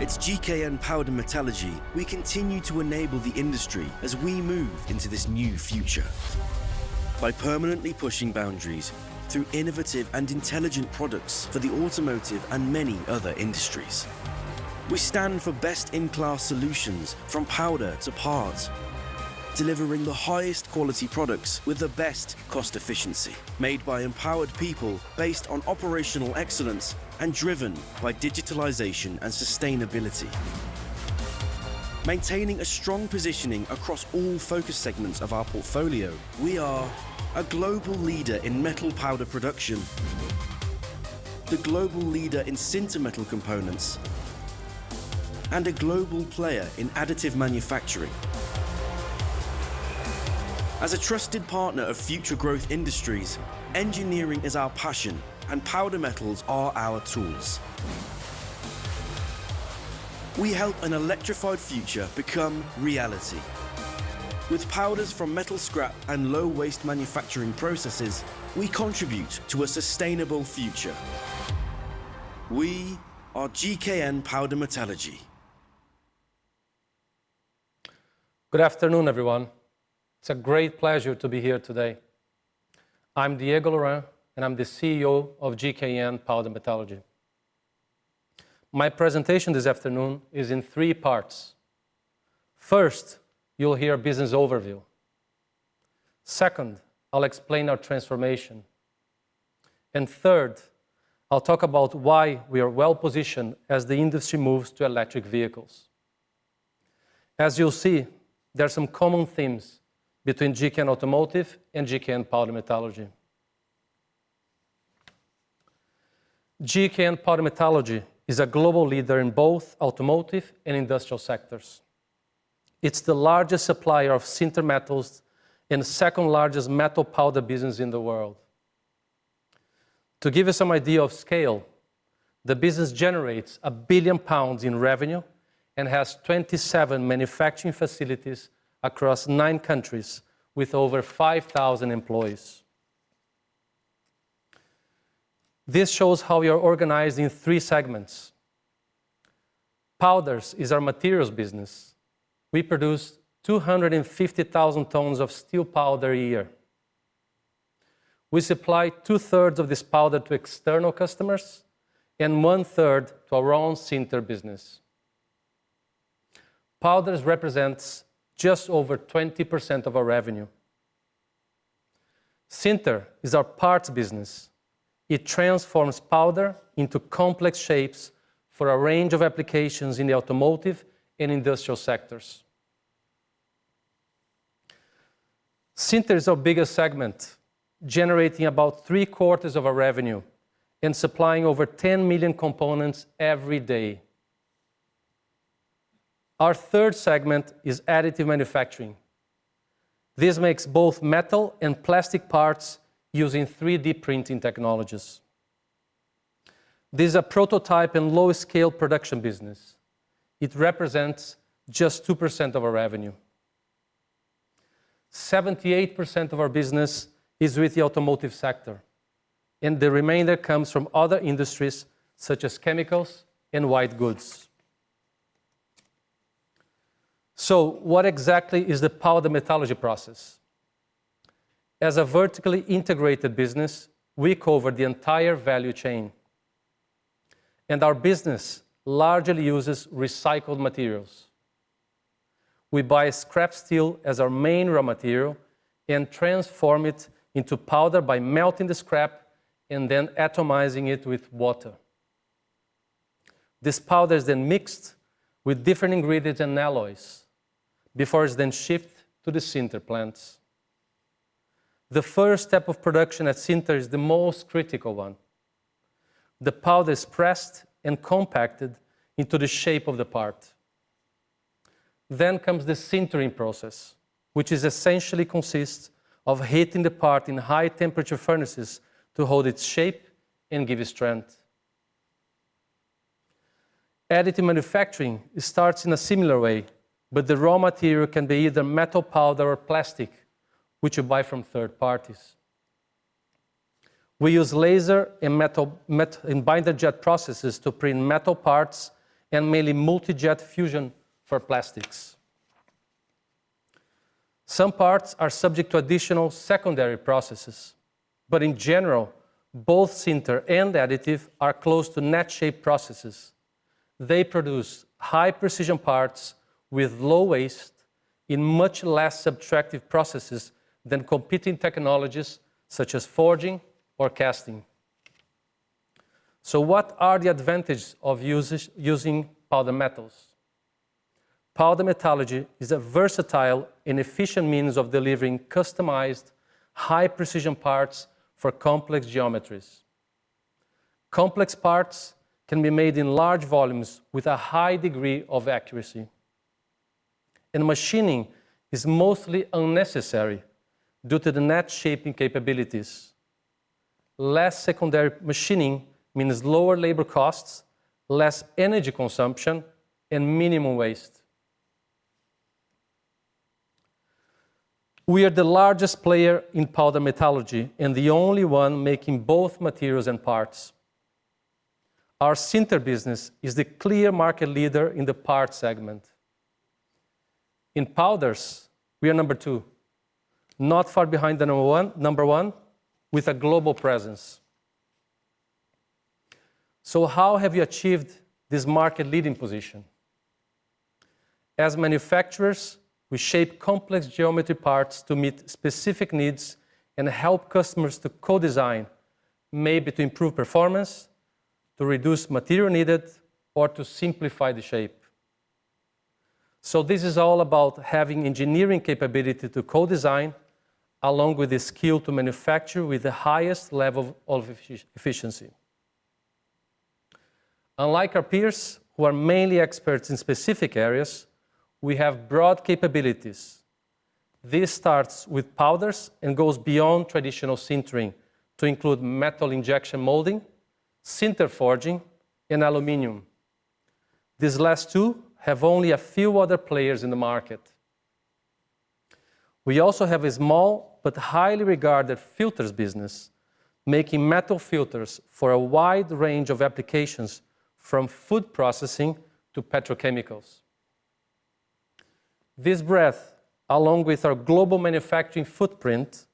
At GKN Powder Metallurgy, we continue to enable the industry as we move into this new future by permanently pushing boundaries through innovative and intelligent products for the automotive and many other industries. We stand for best-in-class solutions from powder to parts, delivering the highest quality products with the best cost efficiency, made by empowered people based on operational excellence and driven by digitalization and sustainability. Maintaining a strong positioning across all focus segments of our portfolio, we are a global leader in metal powder production, the global leader in sinter metal components, and a global player in additive manufacturing. As a trusted partner of future growth industries, engineering is our passion and powder metals are our tools. We help an electrified future become reality. With powders from metal scrap and low-waste manufacturing processes, we contribute to a sustainable future. We are GKN Powder Metallurgy. Good afternoon, everyone. It's a great pleasure to be here today. I'm Diego Laurent, I'm the CEO of GKN Powder Metallurgy. My presentation this afternoon is in three parts. First, you'll hear a business overview. Second, I'll explain our transformation. Third, I'll talk about why we are well-positioned as the industry moves to electric vehicles. As you'll see, there are some common themes between GKN Automotive and GKN Powder Metallurgy. GKN Powder Metallurgy is a global leader in both automotive and industrial sectors. It's the largest supplier of sinter metals and second-largest metal powder business in the world. To give you some idea of scale, the business generates 1 billion pounds in revenue and has 27 manufacturing facilities across nine countries with over 5,000 employees. This shows how we are organized in three segments. Powders is our materials business. We produce 250,000 tons of steel powder a year. We supply 2/3 of this powder to external customers and 1/3 to our own Sinter business. Powders represents just over 20% of our revenue. Sinter is our parts business. It transforms powder into complex shapes for a range of applications in the automotive and industrial sectors. Sinter is our biggest segment, generating about 3/4 of our revenue and supplying over 10 million components every day. Our third segment is additive manufacturing. This makes both metal and plastic parts using 3D printing technologies. This is a prototype and low-scale production business. It represents just 2% of our revenue. 78% of our business is with the automotive sector, and the remainder comes from other industries, such as chemicals and white goods. What exactly is the powder metallurgy process? As a vertically integrated business, we cover the entire value chain, and our business largely uses recycled materials. We buy scrap steel as our main raw material and transform it into powder by melting the scrap and then atomizing it with water. This powder is then mixed with different ingredients and alloys before it's then shipped to the sinter plants. The first step of production at sinter is the most critical one. The powder is pressed and compacted into the shape of the part. Comes the sintering process, which is essentially consists of heating the part in high-temperature furnaces to hold its shape and give it strength. Additive manufacturing starts in a similar way, but the raw material can be either metal powder or plastic, which you buy from third parties. We use laser and metal and binder jet processes to print metal parts and mainly Multi-Jet Fusion for plastics. Some parts are subject to additional secondary processes, but in general, both sinter and additive are close to net shape processes. They produce high-precision parts with low waste in much less subtractive processes than competing technologies such as forging or casting. What are the advantages of using powder metals? Powder metallurgy is a versatile and efficient means of delivering customized, high-precision parts for complex geometries. Complex parts can be made in large volumes with a high degree of accuracy. Machining is mostly unnecessary due to the net shaping capabilities. Less secondary machining means lower labor costs, less energy consumption, and minimum waste. We are the largest player in powder metallurgy and the only one making both materials and parts. Our sinter business is the clear market leader in the parts segment. In powders, we are number two, not far behind the number one, with a global presence. How have we achieved this market-leading position? As manufacturers, we shape complex geometry parts to meet specific needs and help customers to co-design, maybe to improve performance, to reduce material needed, or to simplify the shape. This is all about having engineering capability to co-design, along with the skill to manufacture with the highest level of efficiency. Unlike our peers, who are mainly experts in specific areas, we have broad capabilities. This starts with powders and goes beyond traditional sintering to include metal injection molding, sinter forging, and aluminum. These last two have only a few other players in the market. We also have a small but highly regarded filters business, making metal filters for a wide range of applications from food processing to petrochemicals. This breadth, along with our global manufacturing footprint,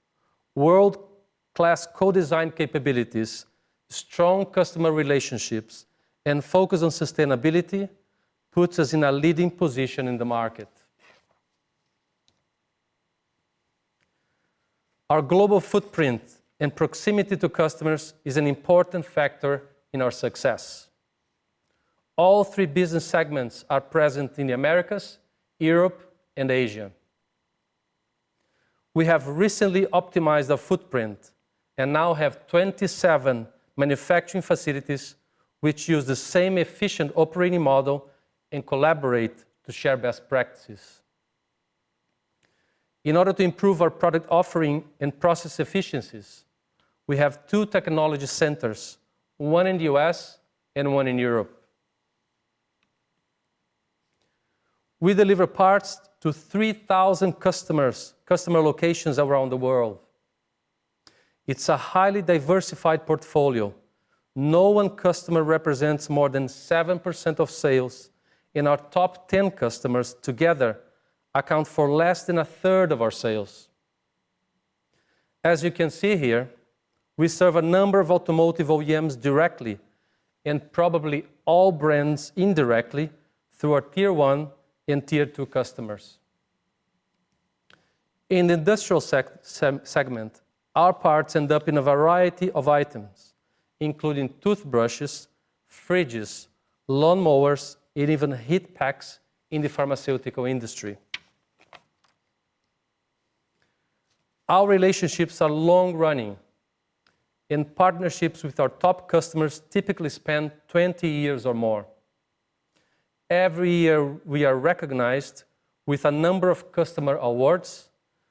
world-class co-design capabilities, strong customer relationships, and focus on sustainability, puts us in a leading position in the market. Our global footprint and proximity to customers is an important factor in our success. All three business segments are present in the Americas, Europe, and Asia. We have recently optimized our footprint and now have 27 manufacturing facilities which use the same efficient operating model and collaborate to share best practices. In order to improve our product offering and process efficiencies, we have two technology centers, one in the U.S. and one in Europe. We deliver parts to 3,000 customer locations around the world. It's a highly diversified portfolio. No one customer represents more than 7% of sales and our top 10 customers together account for less than a third of our sales. As you can see here, we serve a number of automotive OEMs directly and probably all brands indirectly through our tier one and tier two customers. In the industrial segment, our parts end up in a variety of items, including toothbrushes, fridges, lawnmowers, and even heat packs in the pharmaceutical industry. Our relationships are long-running, and partnerships with our top customers typically span 20 years or more. Every year, we are recognized with a number of customer awards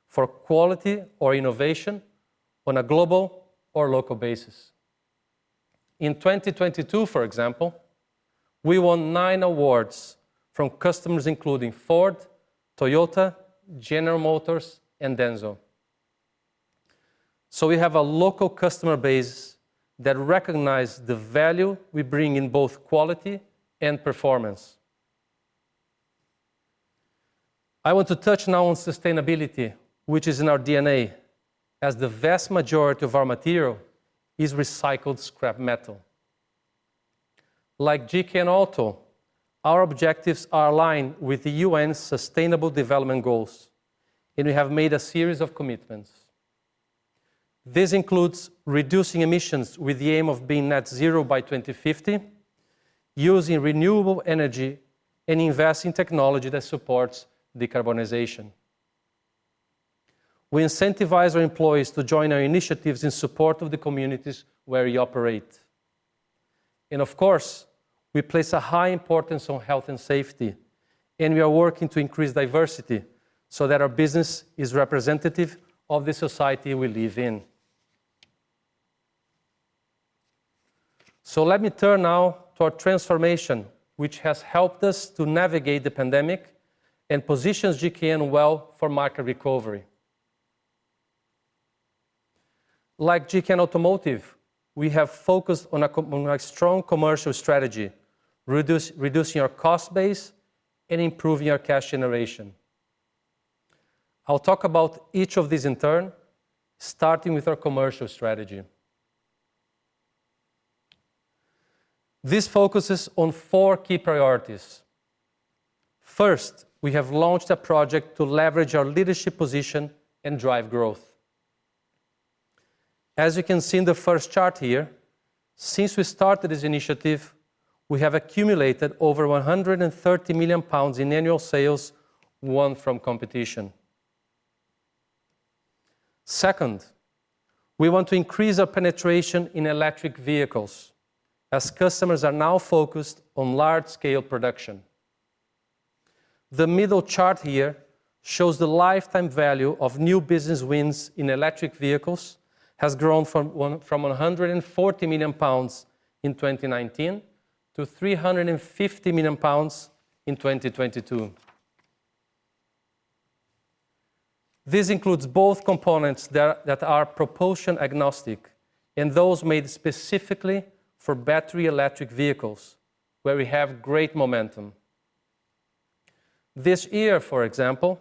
for quality or innovation on a global or local basis. In 2022, for example, we won 9 awards from customers including Ford, Toyota, General Motors, and Denso. We have a local customer base that recognize the value we bring in both quality and performance. I want to touch now on sustainability, which is in our DNA, as the vast majority of our material is recycled scrap metal. Like GKN Auto, our objectives are aligned with the UN Sustainable Development Goals, and we have made a series of commitments. This includes reducing emissions with the aim of being net zero by 2050, using renewable energy, and invest in technology that supports decarbonization. We incentivize our employees to join our initiatives in support of the communities where we operate. Of course, we place a high importance on health and safety, and we are working to increase diversity so that our business is representative of the society we live in. Let me turn now to our transformation, which has helped us to navigate the pandemic and positions GKN well for market recovery. Like GKN Automotive, we have focused on a strong commercial strategy, reducing our cost base and improving our cash generation. I'll talk about each of these in turn, starting with our commercial strategy. This focuses on four key priorities. First, we have launched a project to leverage our leadership position and drive growth. As you can see in the first chart here, since we started this initiative, we have accumulated over 130 million pounds in annual sales won from competition. Second, we want to increase our penetration in electric vehicles, as customers are now focused on large-scale production. The middle chart here shows the lifetime value of new business wins in electric vehicles has grown from 140 million pounds in 2019 to 350 million pounds in 2022. This includes both components that are propulsion agnostic and those made specifically for battery electric vehicles, where we have great momentum. This year, for example,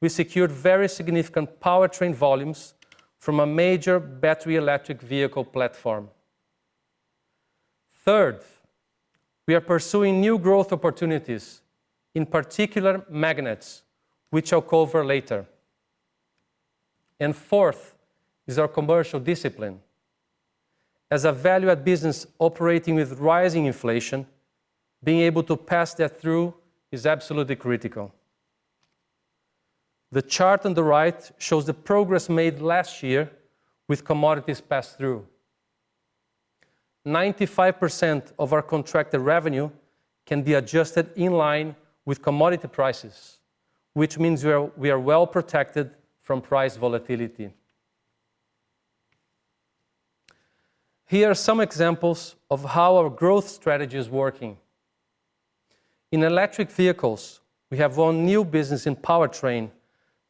we secured very significant powertrain volumes from a major battery electric vehicle platform. Third, we are pursuing new growth opportunities, in particular magnets, which I'll cover later. Fourth is our commercial discipline. As a valued business operating with rising inflation, being able to pass that through is absolutely critical. The chart on the right shows the progress made last year with commodities passed through. 95% of our contracted revenue can be adjusted in line with commodity prices, which means we are well protected from price volatility. Here are some examples of how our growth strategy is working. In electric vehicles, we have won new business in powertrain,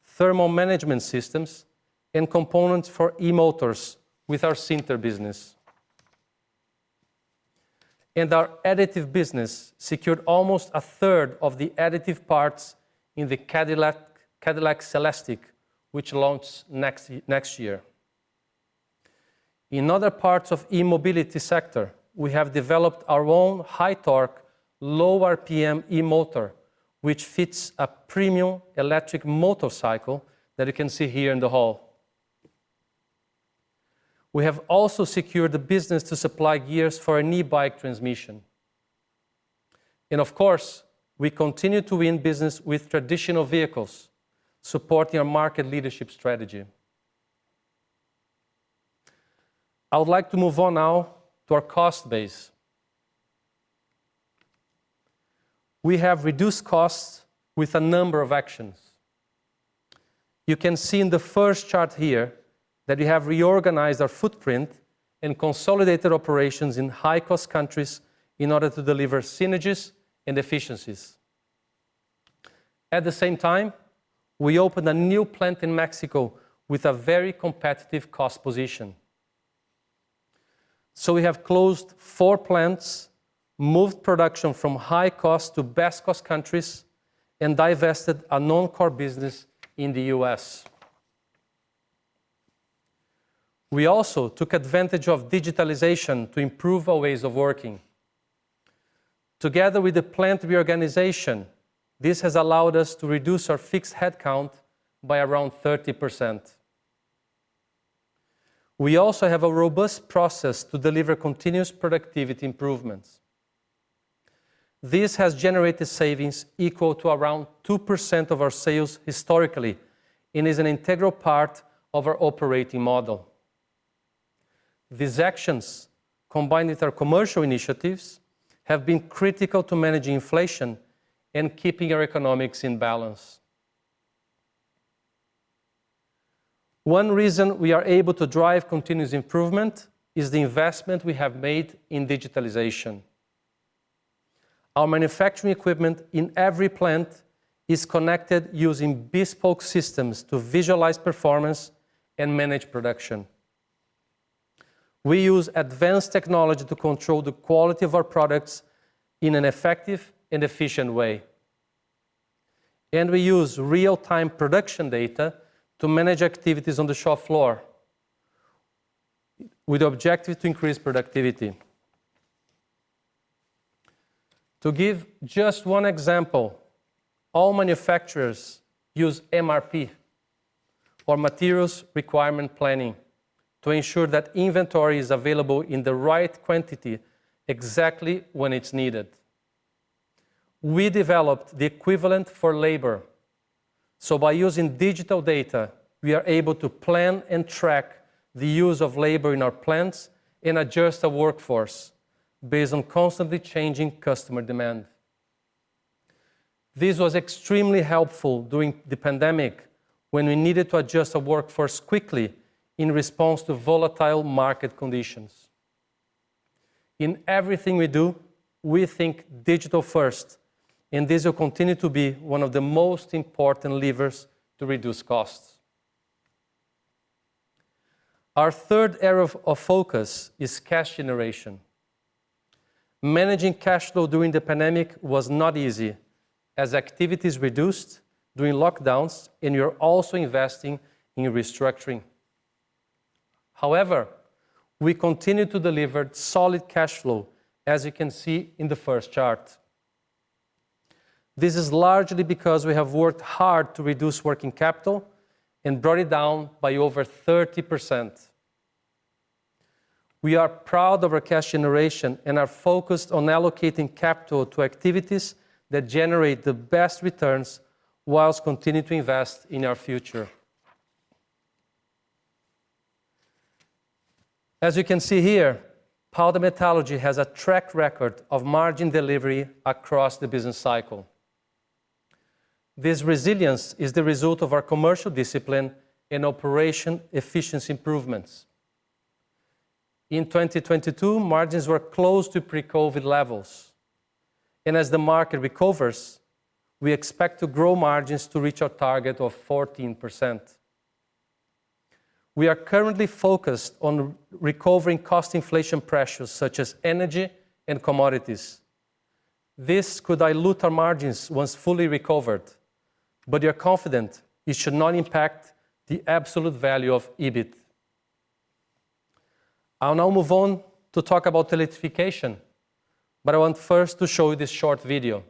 thermal management systems, and components for e-motors with our sinter business. Our additive business secured almost a third of the additive parts in the Cadillac CELESTIQ, which launch next year. In other parts of e-mobility sector, we have developed our own high-torque, low RPM e-motor, which fits a premium electric motorcycle that you can see here in the hall. We have also secured the business to supply gears for an e-bike transmission. Of course, we continue to win business with traditional vehicles, supporting our market leadership strategy. I would like to move on now to our cost base. We have reduced costs with a number of actions. You can see in the first chart here that we have reorganized our footprint and consolidated operations in high-cost countries in order to deliver synergies and efficiencies. At the same time, we opened a new plant in Mexico with a very competitive cost position. We have closed four plants, moved production from high cost to best cost countries, and divested a non-core business in the U.S. We also took advantage of digitalization to improve our ways of working. Together with the plant reorganization, this has allowed us to reduce our fixed headcount by around 30%. We also have a robust process to deliver continuous productivity improvements. This has generated savings equal to around 2% of our sales historically and is an integral part of our operating model. These actions, combined with our commercial initiatives, have been critical to managing inflation and keeping our economics in balance. One reason we are able to drive continuous improvement is the investment we have made in digitalization. Our manufacturing equipment in every plant is connected using bespoke systems to visualize performance and manage production. We use advanced technology to control the quality of our products in an effective and efficient way. We use real-time production data to manage activities on the shop floor with the objective to increase productivity. To give just one example, all manufacturers use MRP, or materials requirement planning, to ensure that inventory is available in the right quantity exactly when it's needed. We developed the equivalent for labor. By using digital data, we are able to plan and track the use of labor in our plants and adjust the workforce based on constantly changing customer demand. This was extremely helpful during the pandemic when we needed to adjust the workforce quickly in response to volatile market conditions. In everything we do, we think digital-first, and this will continue to be one of the most important levers to reduce costs. Our third area of focus is cash generation. Managing cash flow during the pandemic was not easy, as activities reduced during lockdowns and we were also investing in restructuring. However, we continued to deliver solid cash flow, as you can see in the first chart. This is largely because we have worked hard to reduce working capital and brought it down by over 30%. We are proud of our cash generation and are focused on allocating capital to activities that generate the best returns while continuing to invest in our future. As you can see here, Powder Metallurgy has a track record of margin delivery across the business cycle. This resilience is the result of our commercial discipline and operation efficiency improvements. In 2022, margins were close to pre-COVID levels. As the market recovers, we expect to grow margins to reach our target of 14%. We are currently focused on recovering cost inflation pressures such as energy and commodities. This could dilute our margins once fully recovered, but we are confident it should not impact the absolute value of EBIT. I'll now move on to talk about electrification, I want first to show you this short video.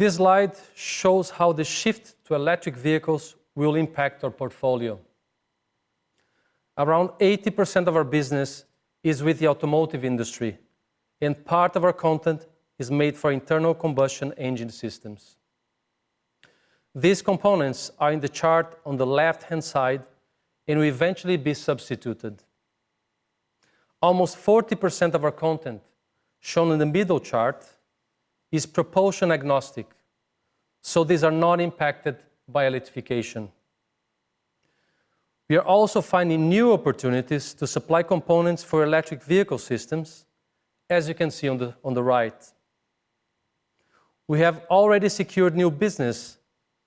This slide shows how the shift to electric vehicles will impact our portfolio. Around 80% of our business is with the automotive industry. Part of our content is made for internal combustion engine systems. These components are in the chart on the left-hand side and will eventually be substituted. Almost 40% of our content, shown in the middle chart, is propulsion agnostic. These are not impacted by electrification. We are also finding new opportunities to supply components for electric vehicle systems, as you can see on the right. We have already secured new business,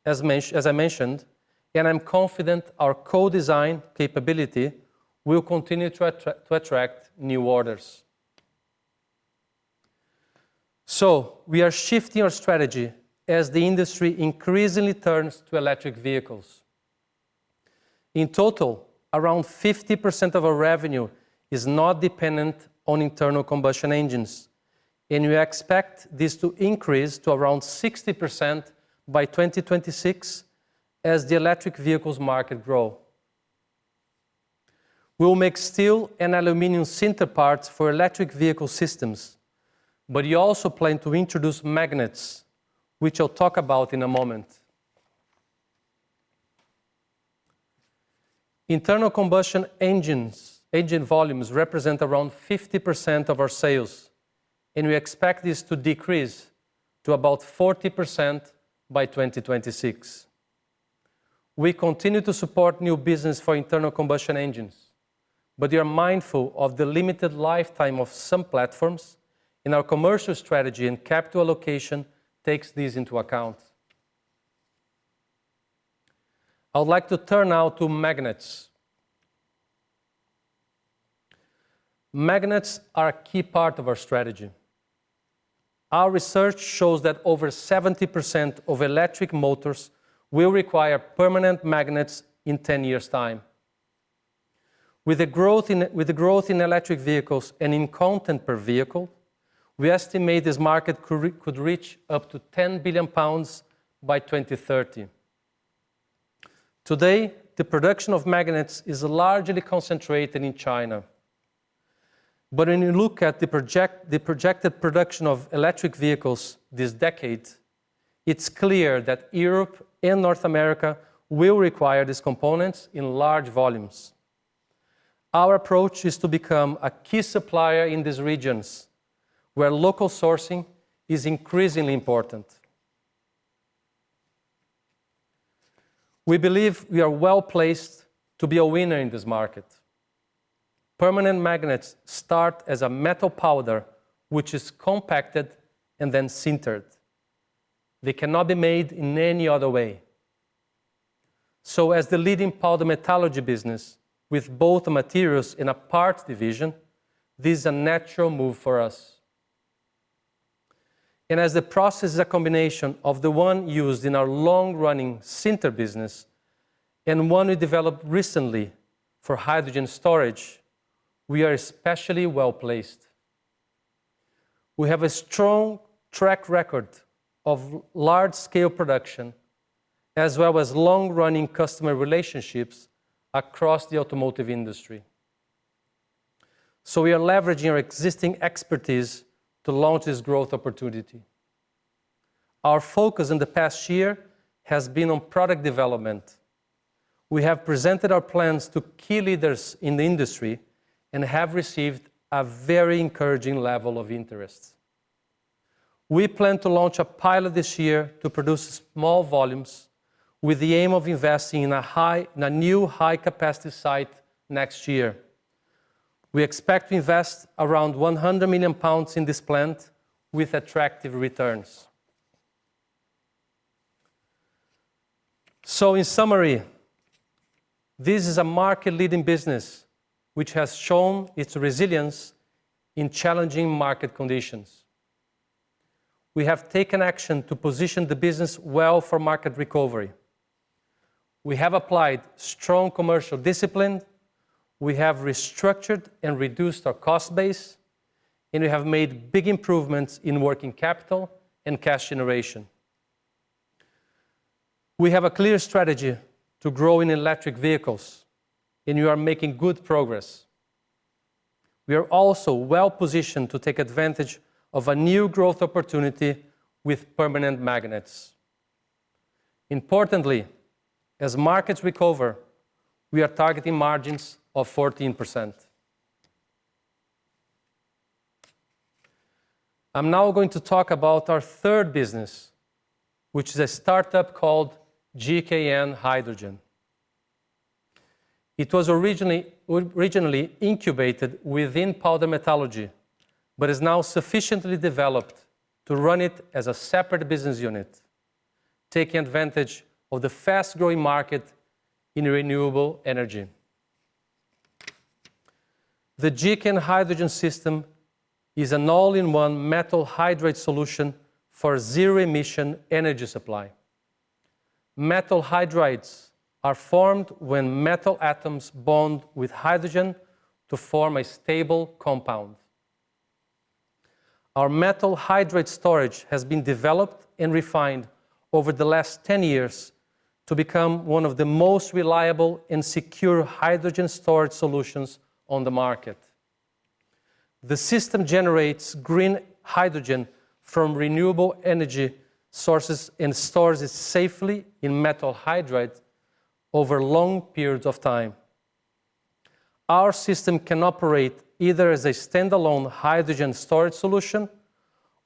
as I mentioned, and I'm confident our co-design capability will continue to attract new orders. We are shifting our strategy as the industry increasingly turns to electric vehicles. In total, around 50% of our revenue is not dependent on internal combustion engines. We expect this to increase to around 60% by 2026 as the electric vehicles market grow. We'll make steel and aluminum sintered parts for electric vehicle systems. We also plan to introduce magnets, which I'll talk about in a moment. Internal combustion engines, engine volumes represent around 50% of our sales. We expect this to decrease to about 40% by 2026. We continue to support new business for internal combustion engines. We are mindful of the limited lifetime of some platforms. Our commercial strategy and capital allocation takes these into account. I would like to turn now to magnets. Magnets are a key part of our strategy. Our research shows that over 70% of electric motors will require permanent magnets in 10 years' time. With the growth in electric vehicles and in content per vehicle, we estimate this market could reach up to 10 billion pounds by 2030. Today, the production of magnets is largely concentrated in China. When you look at the projected production of electric vehicles this decade, it's clear that Europe and North America will require these components in large volumes. Our approach is to become a key supplier in these regions where local sourcing is increasingly important. We believe we are well-placed to be a winner in this market. Permanent magnets start as a metal powder, which is compacted and then sintered. They cannot be made in any other way. As the leading powder metallurgy business with both materials in a parts division, this is a natural move for us. As the process is a combination of the one used in our long-running sinter business and one we developed recently for hydrogen storage, we are especially well-placed. We have a strong track record of large-scale production as well as long-running customer relationships across the automotive industry. We are leveraging our existing expertise to launch this growth opportunity. Our focus in the past year has been on product development. We have presented our plans to key leaders in the industry and have received a very encouraging level of interest. We plan to launch a pilot this year to produce small volumes with the aim of investing in a new high-capacity site next year. We expect to invest around 100 million pounds in this plant with attractive returns. In summary, this is a market-leading business which has shown its resilience in challenging market conditions. We have taken action to position the business well for market recovery. We have applied strong commercial discipline, we have restructured and reduced our cost base, and we have made big improvements in working capital and cash generation. We have a clear strategy to grow in electric vehicles, and we are making good progress. We are also well-positioned to take advantage of a new growth opportunity with permanent magnets. Importantly, as markets recover, we are targeting margins of 14%. I'm now going to talk about our third business, which is a startup called GKN Hydrogen. It was originally incubated within powder metallurgy, but is now sufficiently developed to run it as a separate business unit, taking advantage of the fast-growing market in renewable energy. The GKN Hydrogen system is an all-in-one metal hydride solution for zero emission energy supply. Metal hydrides are formed when metal atoms bond with hydrogen to form a stable compound. Our metal hydride storage has been developed and refined over the last 10 years to become one of the most reliable and secure hydrogen storage solutions on the market. The system generates green hydrogen from renewable energy sources and stores it safely in metal hydride over long periods of time. Our system can operate either as a standalone hydrogen storage solution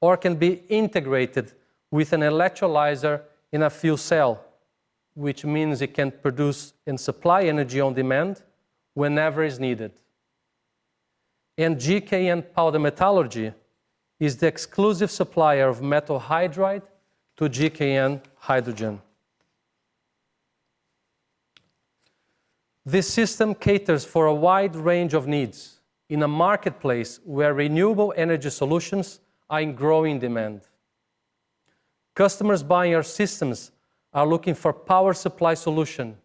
or it can be integrated with an electrolyzer in a fuel cell, which means it can produce and supply energy on demand whenever is needed. GKN Powder Metallurgy is the exclusive supplier of metal hydride to GKN Hydrogen. This system caters for a wide range of needs in a marketplace where renewable energy solutions are in growing demand. Customers buying our systems are looking for power supply solution,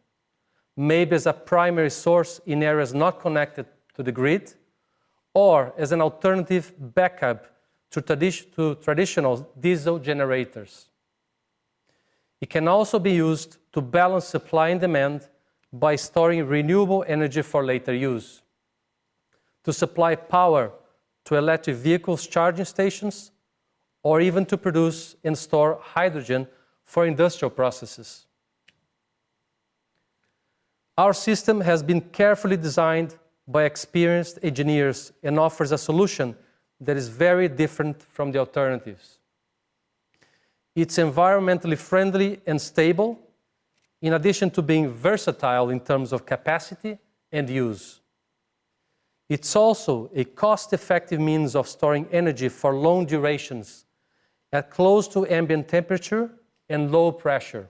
maybe as a primary source in areas not connected to the grid or as an alternative backup to traditional diesel generators. It can also be used to balance supply and demand by storing renewable energy for later use, to supply power to electric vehicles charging stations or even to produce and store hydrogen for industrial processes. Our system has been carefully designed by experienced engineers and offers a solution that is very different from the alternatives. It's environmentally friendly and stable, in addition to being versatile in terms of capacity and use. It's also a cost-effective means of storing energy for long durations at close to ambient temperature and low pressure.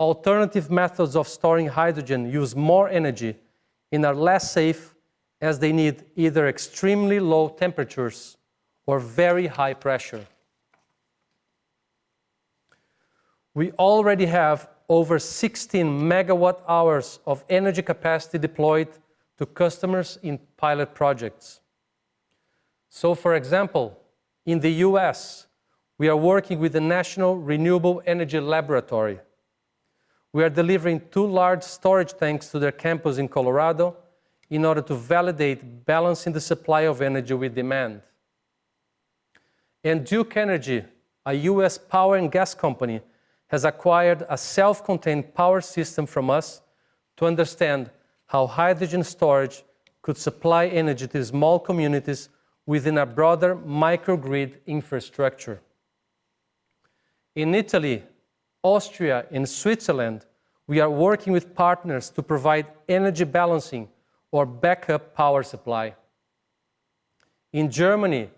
Alternative methods of storing hydrogen use more energy and are less safe as they need either extremely low temperatures or very high pressure. We already have over 16 megawatt-hours of energy capacity deployed to customers in pilot projects. For example, in the U.S. we are working with the National Renewable Energy Laboratory. We are delivering two large storage tanks to their campus in Colorado in order to validate balancing the supply of energy with demand. In Duke Energy, a U.S. power and gas company, has acquired a self-contained power system from us to understand how hydrogen storage could supply energy to small communities within a broader microgrid infrastructure. In Italy, Austria, and Switzerland, we are working with partners to provide energy balancing or backup power supply. In Germany,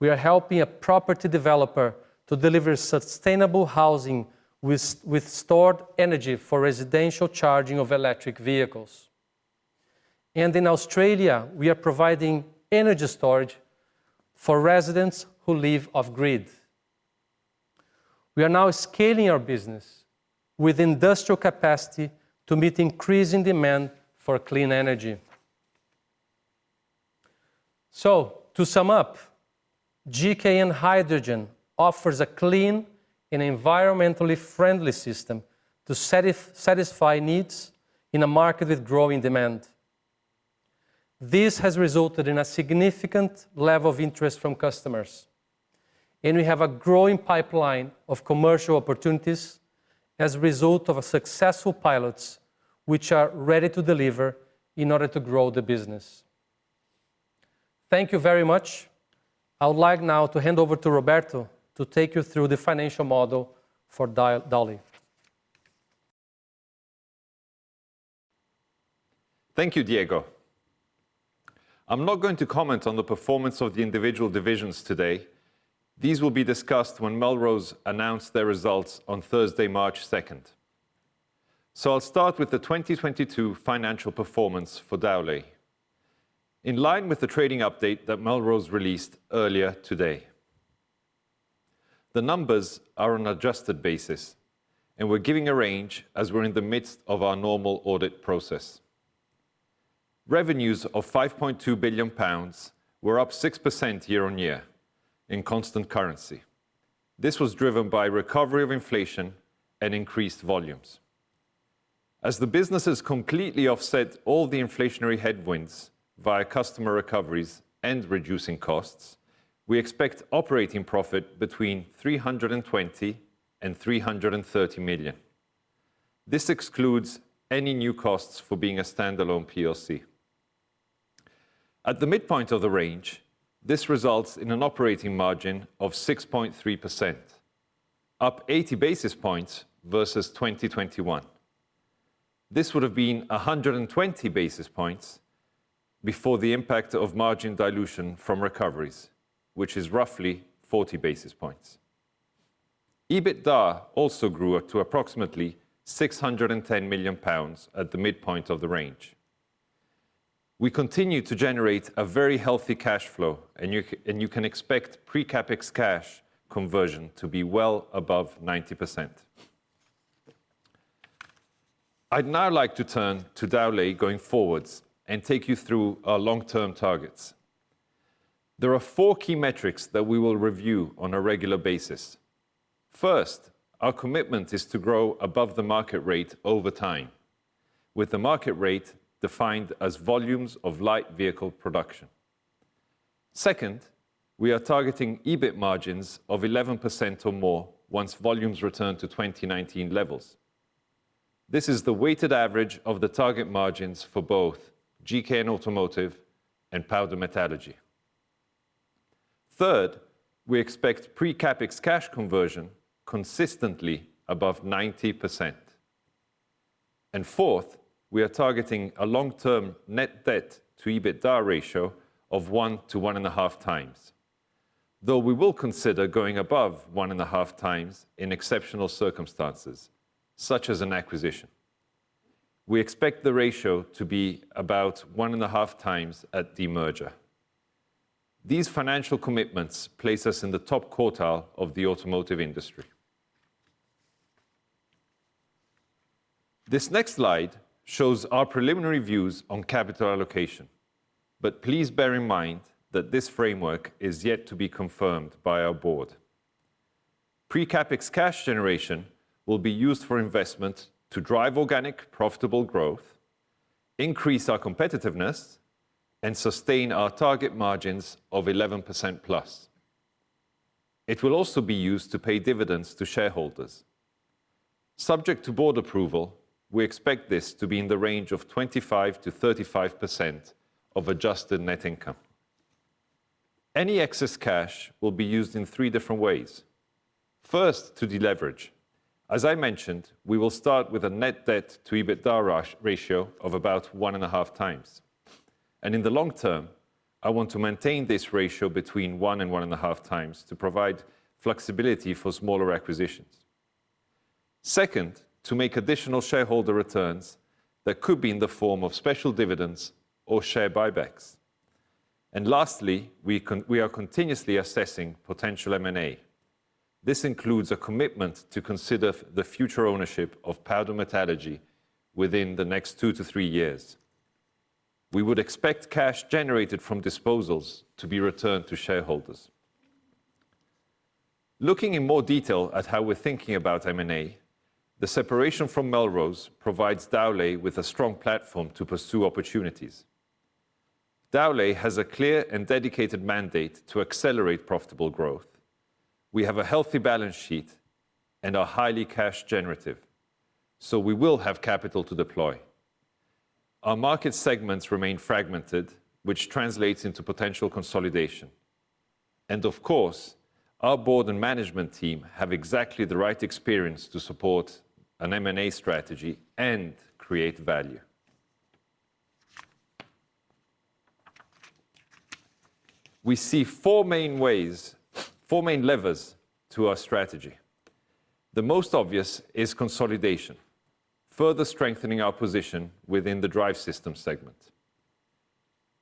we are helping a property developer to deliver sustainable housing with stored energy for residential charging of electric vehicles. In Australia we are providing energy storage for residents who live off grid. We are now scaling our business with industrial capacity to meet increasing demand for clean energy. To sum up, GKN Hydrogen offers a clean and environmentally friendly system to satisfy needs in a market with growing demand. This has resulted in a significant level of interest from customers, and we have a growing pipeline of commercial opportunities as a result of our successful pilots which are ready to deliver in order to grow the business. Thank you very much. I would like now to hand over to Roberto to take you through the financial model for Dowlais. Thank you, Diego. I'm not going to comment on the performance of the individual divisions today. These will be discussed when Melrose announce their results on Thursday, March 2nd. I'll start with the 2022 financial performance for Dowlais. In line with the trading update that Melrose released earlier today. The numbers are on an adjusted basis and we're giving a range as we're in the midst of our normal audit process. Revenues of 5.2 billion pounds were up 6% year-on-year in constant currency. This was driven by recovery of inflation and increased volumes. As the business has completely offset all the inflationary headwinds via customer recoveries and reducing costs, we expect operating profit between 320 million and 330 million. This excludes any new costs for being a standalone PLC. At the midpoint of the range, this results in an operating margin of 6.3%, up 80 basis points versus 2021. This would have been 120 basis points before the impact of margin dilution from recoveries, which is roughly 40 basis points. EBITDA also grew up to approximately 610 million pounds at the midpoint of the range. We continue to generate a very healthy cash flow, and you can expect pre-CapEx cash conversion to be well above 90%. I'd now like to turn to Dowlais going forwards and take you through our long-term targets. There are four key metrics that we will review on a regular basis. First, our commitment is to grow above the market rate over time, with the market rate defined as volumes of light vehicle production. Second, we are targeting EBIT margins of 11% or more once volumes return to 2019 levels. This is the weighted average of the target margins for both GKN Automotive and Powder Metallurgy. Third, we expect pre-CapEx cash conversion consistently above 90%. Fourth, we are targeting a long-term net debt to EBITDA ratio of 1-1.5 times. Though we will consider going above 1.5 times in exceptional circumstances, such as an acquisition. We expect the ratio to be about 1.5 times at demerger. These financial commitments place us in the top quartile of the automotive industry. This next slide shows our preliminary views on capital allocation, but please bear in mind that this framework is yet to be confirmed by our board. Pre-CapEx cash generation will be used for investment to drive organic, profitable growth, increase our competitiveness, and sustain our target margins of 11%+. It will also be used to pay dividends to shareholders. Subject to board approval, we expect this to be in the range of 25%-35% of adjusted net income. Any excess cash will be used in three different ways. First, to deleverage. As I mentioned, we will start with a net debt to EBITDA ratio of about 1.5 times. In the long term, I want to maintain this ratio between 1-1.5 times to provide flexibility for smaller acquisitions. Second, to make additional shareholder returns that could be in the form of special dividends or share buybacks. Lastly, we are continuously assessing potential M&A. This includes a commitment to consider the future ownership of Powder Metallurgy within the next two to three years. We would expect cash generated from disposals to be returned to shareholders. Looking in more detail at how we're thinking about M&A, the separation from Melrose provides Dowlais with a strong platform to pursue opportunities. Dowlais has a clear and dedicated mandate to accelerate profitable growth. We have a healthy balance sheet and are highly cash generative, so we will have capital to deploy. Our market segments remain fragmented, which translates into potential consolidation. Of course, our board and management team have exactly the right experience to support an M&A strategy and create value. We see four main ways, four main levers to our strategy. The most obvious is consolidation, further strengthening our position within the drive system segment.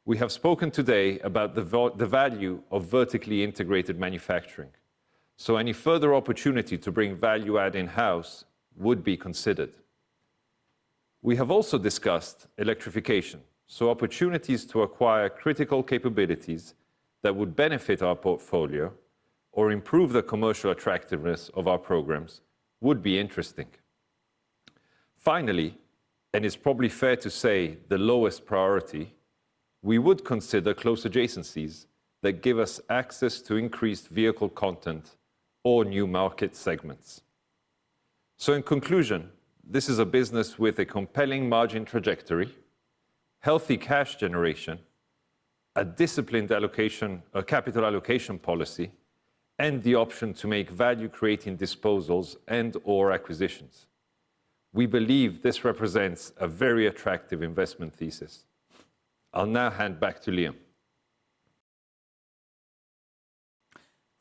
We have spoken today about the value of vertically integrated manufacturing, so any further opportunity to bring value add in-house would be considered. We have also discussed electrification. Opportunities to acquire critical capabilities that would benefit our portfolio or improve the commercial attractiveness of our programs would be interesting. Finally, and it's probably fair to say the lowest priority, we would consider close adjacencies that give us access to increased vehicle content or new market segments. In conclusion, this is a business with a compelling margin trajectory, healthy cash generation, a disciplined a capital allocation policy, and the option to make value-creating disposals and/or acquisitions. We believe this represents a very attractive investment thesis. I'll now hand back to Liam.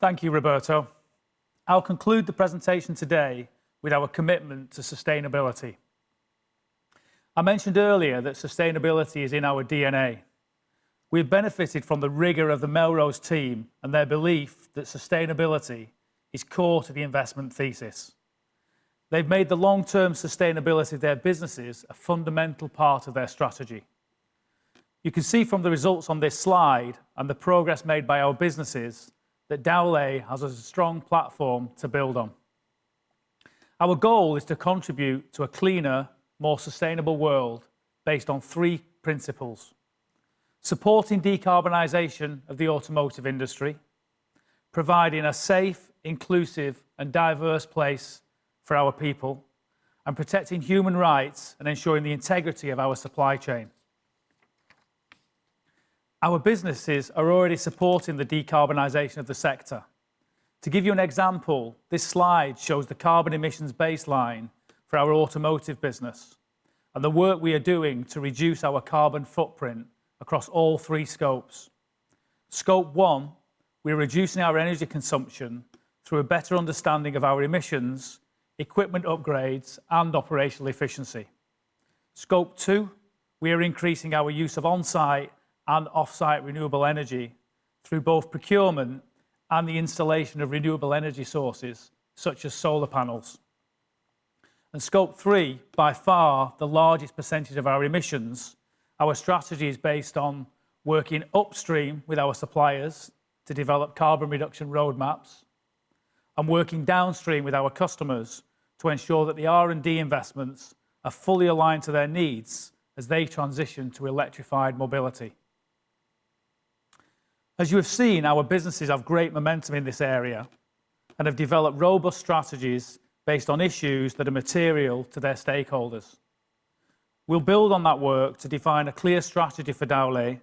Thank you, Roberto. I'll conclude the presentation today with our commitment to sustainability. I mentioned earlier that sustainability is in our DNA. We have benefited from the rigor of the Melrose team and their belief that sustainability is core to the investment thesis. They've made the long-term sustainability of their businesses a fundamental part of their strategy. You can see from the results on this slide and the progress made by our businesses that Dowlais has a strong platform to build on. Our goal is to contribute to a cleaner, more sustainable world based on three principles: supporting decarbonization of the automotive industry, providing a safe, inclusive and diverse place for our people, and protecting human rights and ensuring the integrity of our supply chain. Our businesses are already supporting the decarbonization of the sector. To give you an example, this slide shows the carbon emissions baseline for our GKN Automotive business and the work we are doing to reduce our carbon footprint across all three scopes. Scope 1, we're reducing our energy consumption through a better understanding of our emissions, equipment upgrades, and operational efficiency. Scope 2, we are increasing our use of on-site and off-site renewable energy through both procurement and the installation of renewable energy sources such as solar panels. Scope 3, by far the largest percentage of our emissions, our strategy is based on working upstream with our suppliers to develop carbon reduction roadmaps and working downstream with our customers to ensure that the R&D investments are fully aligned to their needs as they transition to electrified mobility. As you have seen, our businesses have great momentum in this area and have developed robust strategies based on issues that are material to their stakeholders. We'll build on that work to define a clear strategy for Dowlais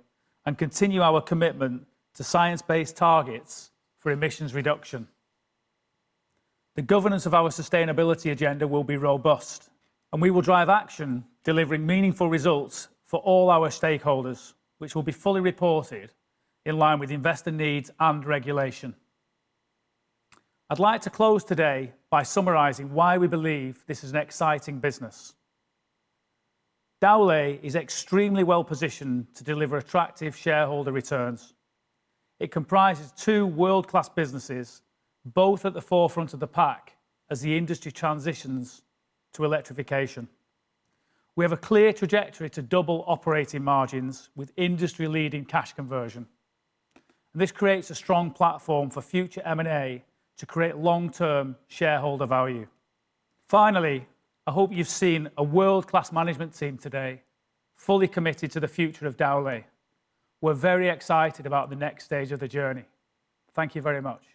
and continue our commitment to Science Based Targets for emissions reduction. The governance of our sustainability agenda will be robust, and we will drive action delivering meaningful results for all our stakeholders, which will be fully reported in line with investor needs and regulation. I'd like to close today by summarizing why we believe this is an exciting business. Dowlais is extremely well-positioned to deliver attractive shareholder returns. It comprises two world-class businesses, both at the forefront of the pack as the industry transitions to electrification. We have a clear trajectory to double operating margins with industry-leading cash conversion. This creates a strong platform for future M&A to create long-term shareholder value. Finally, I hope you've seen a world-class management team today, fully committed to the future of Dowlais. We're very excited about the next stage of the journey. Thank you very much.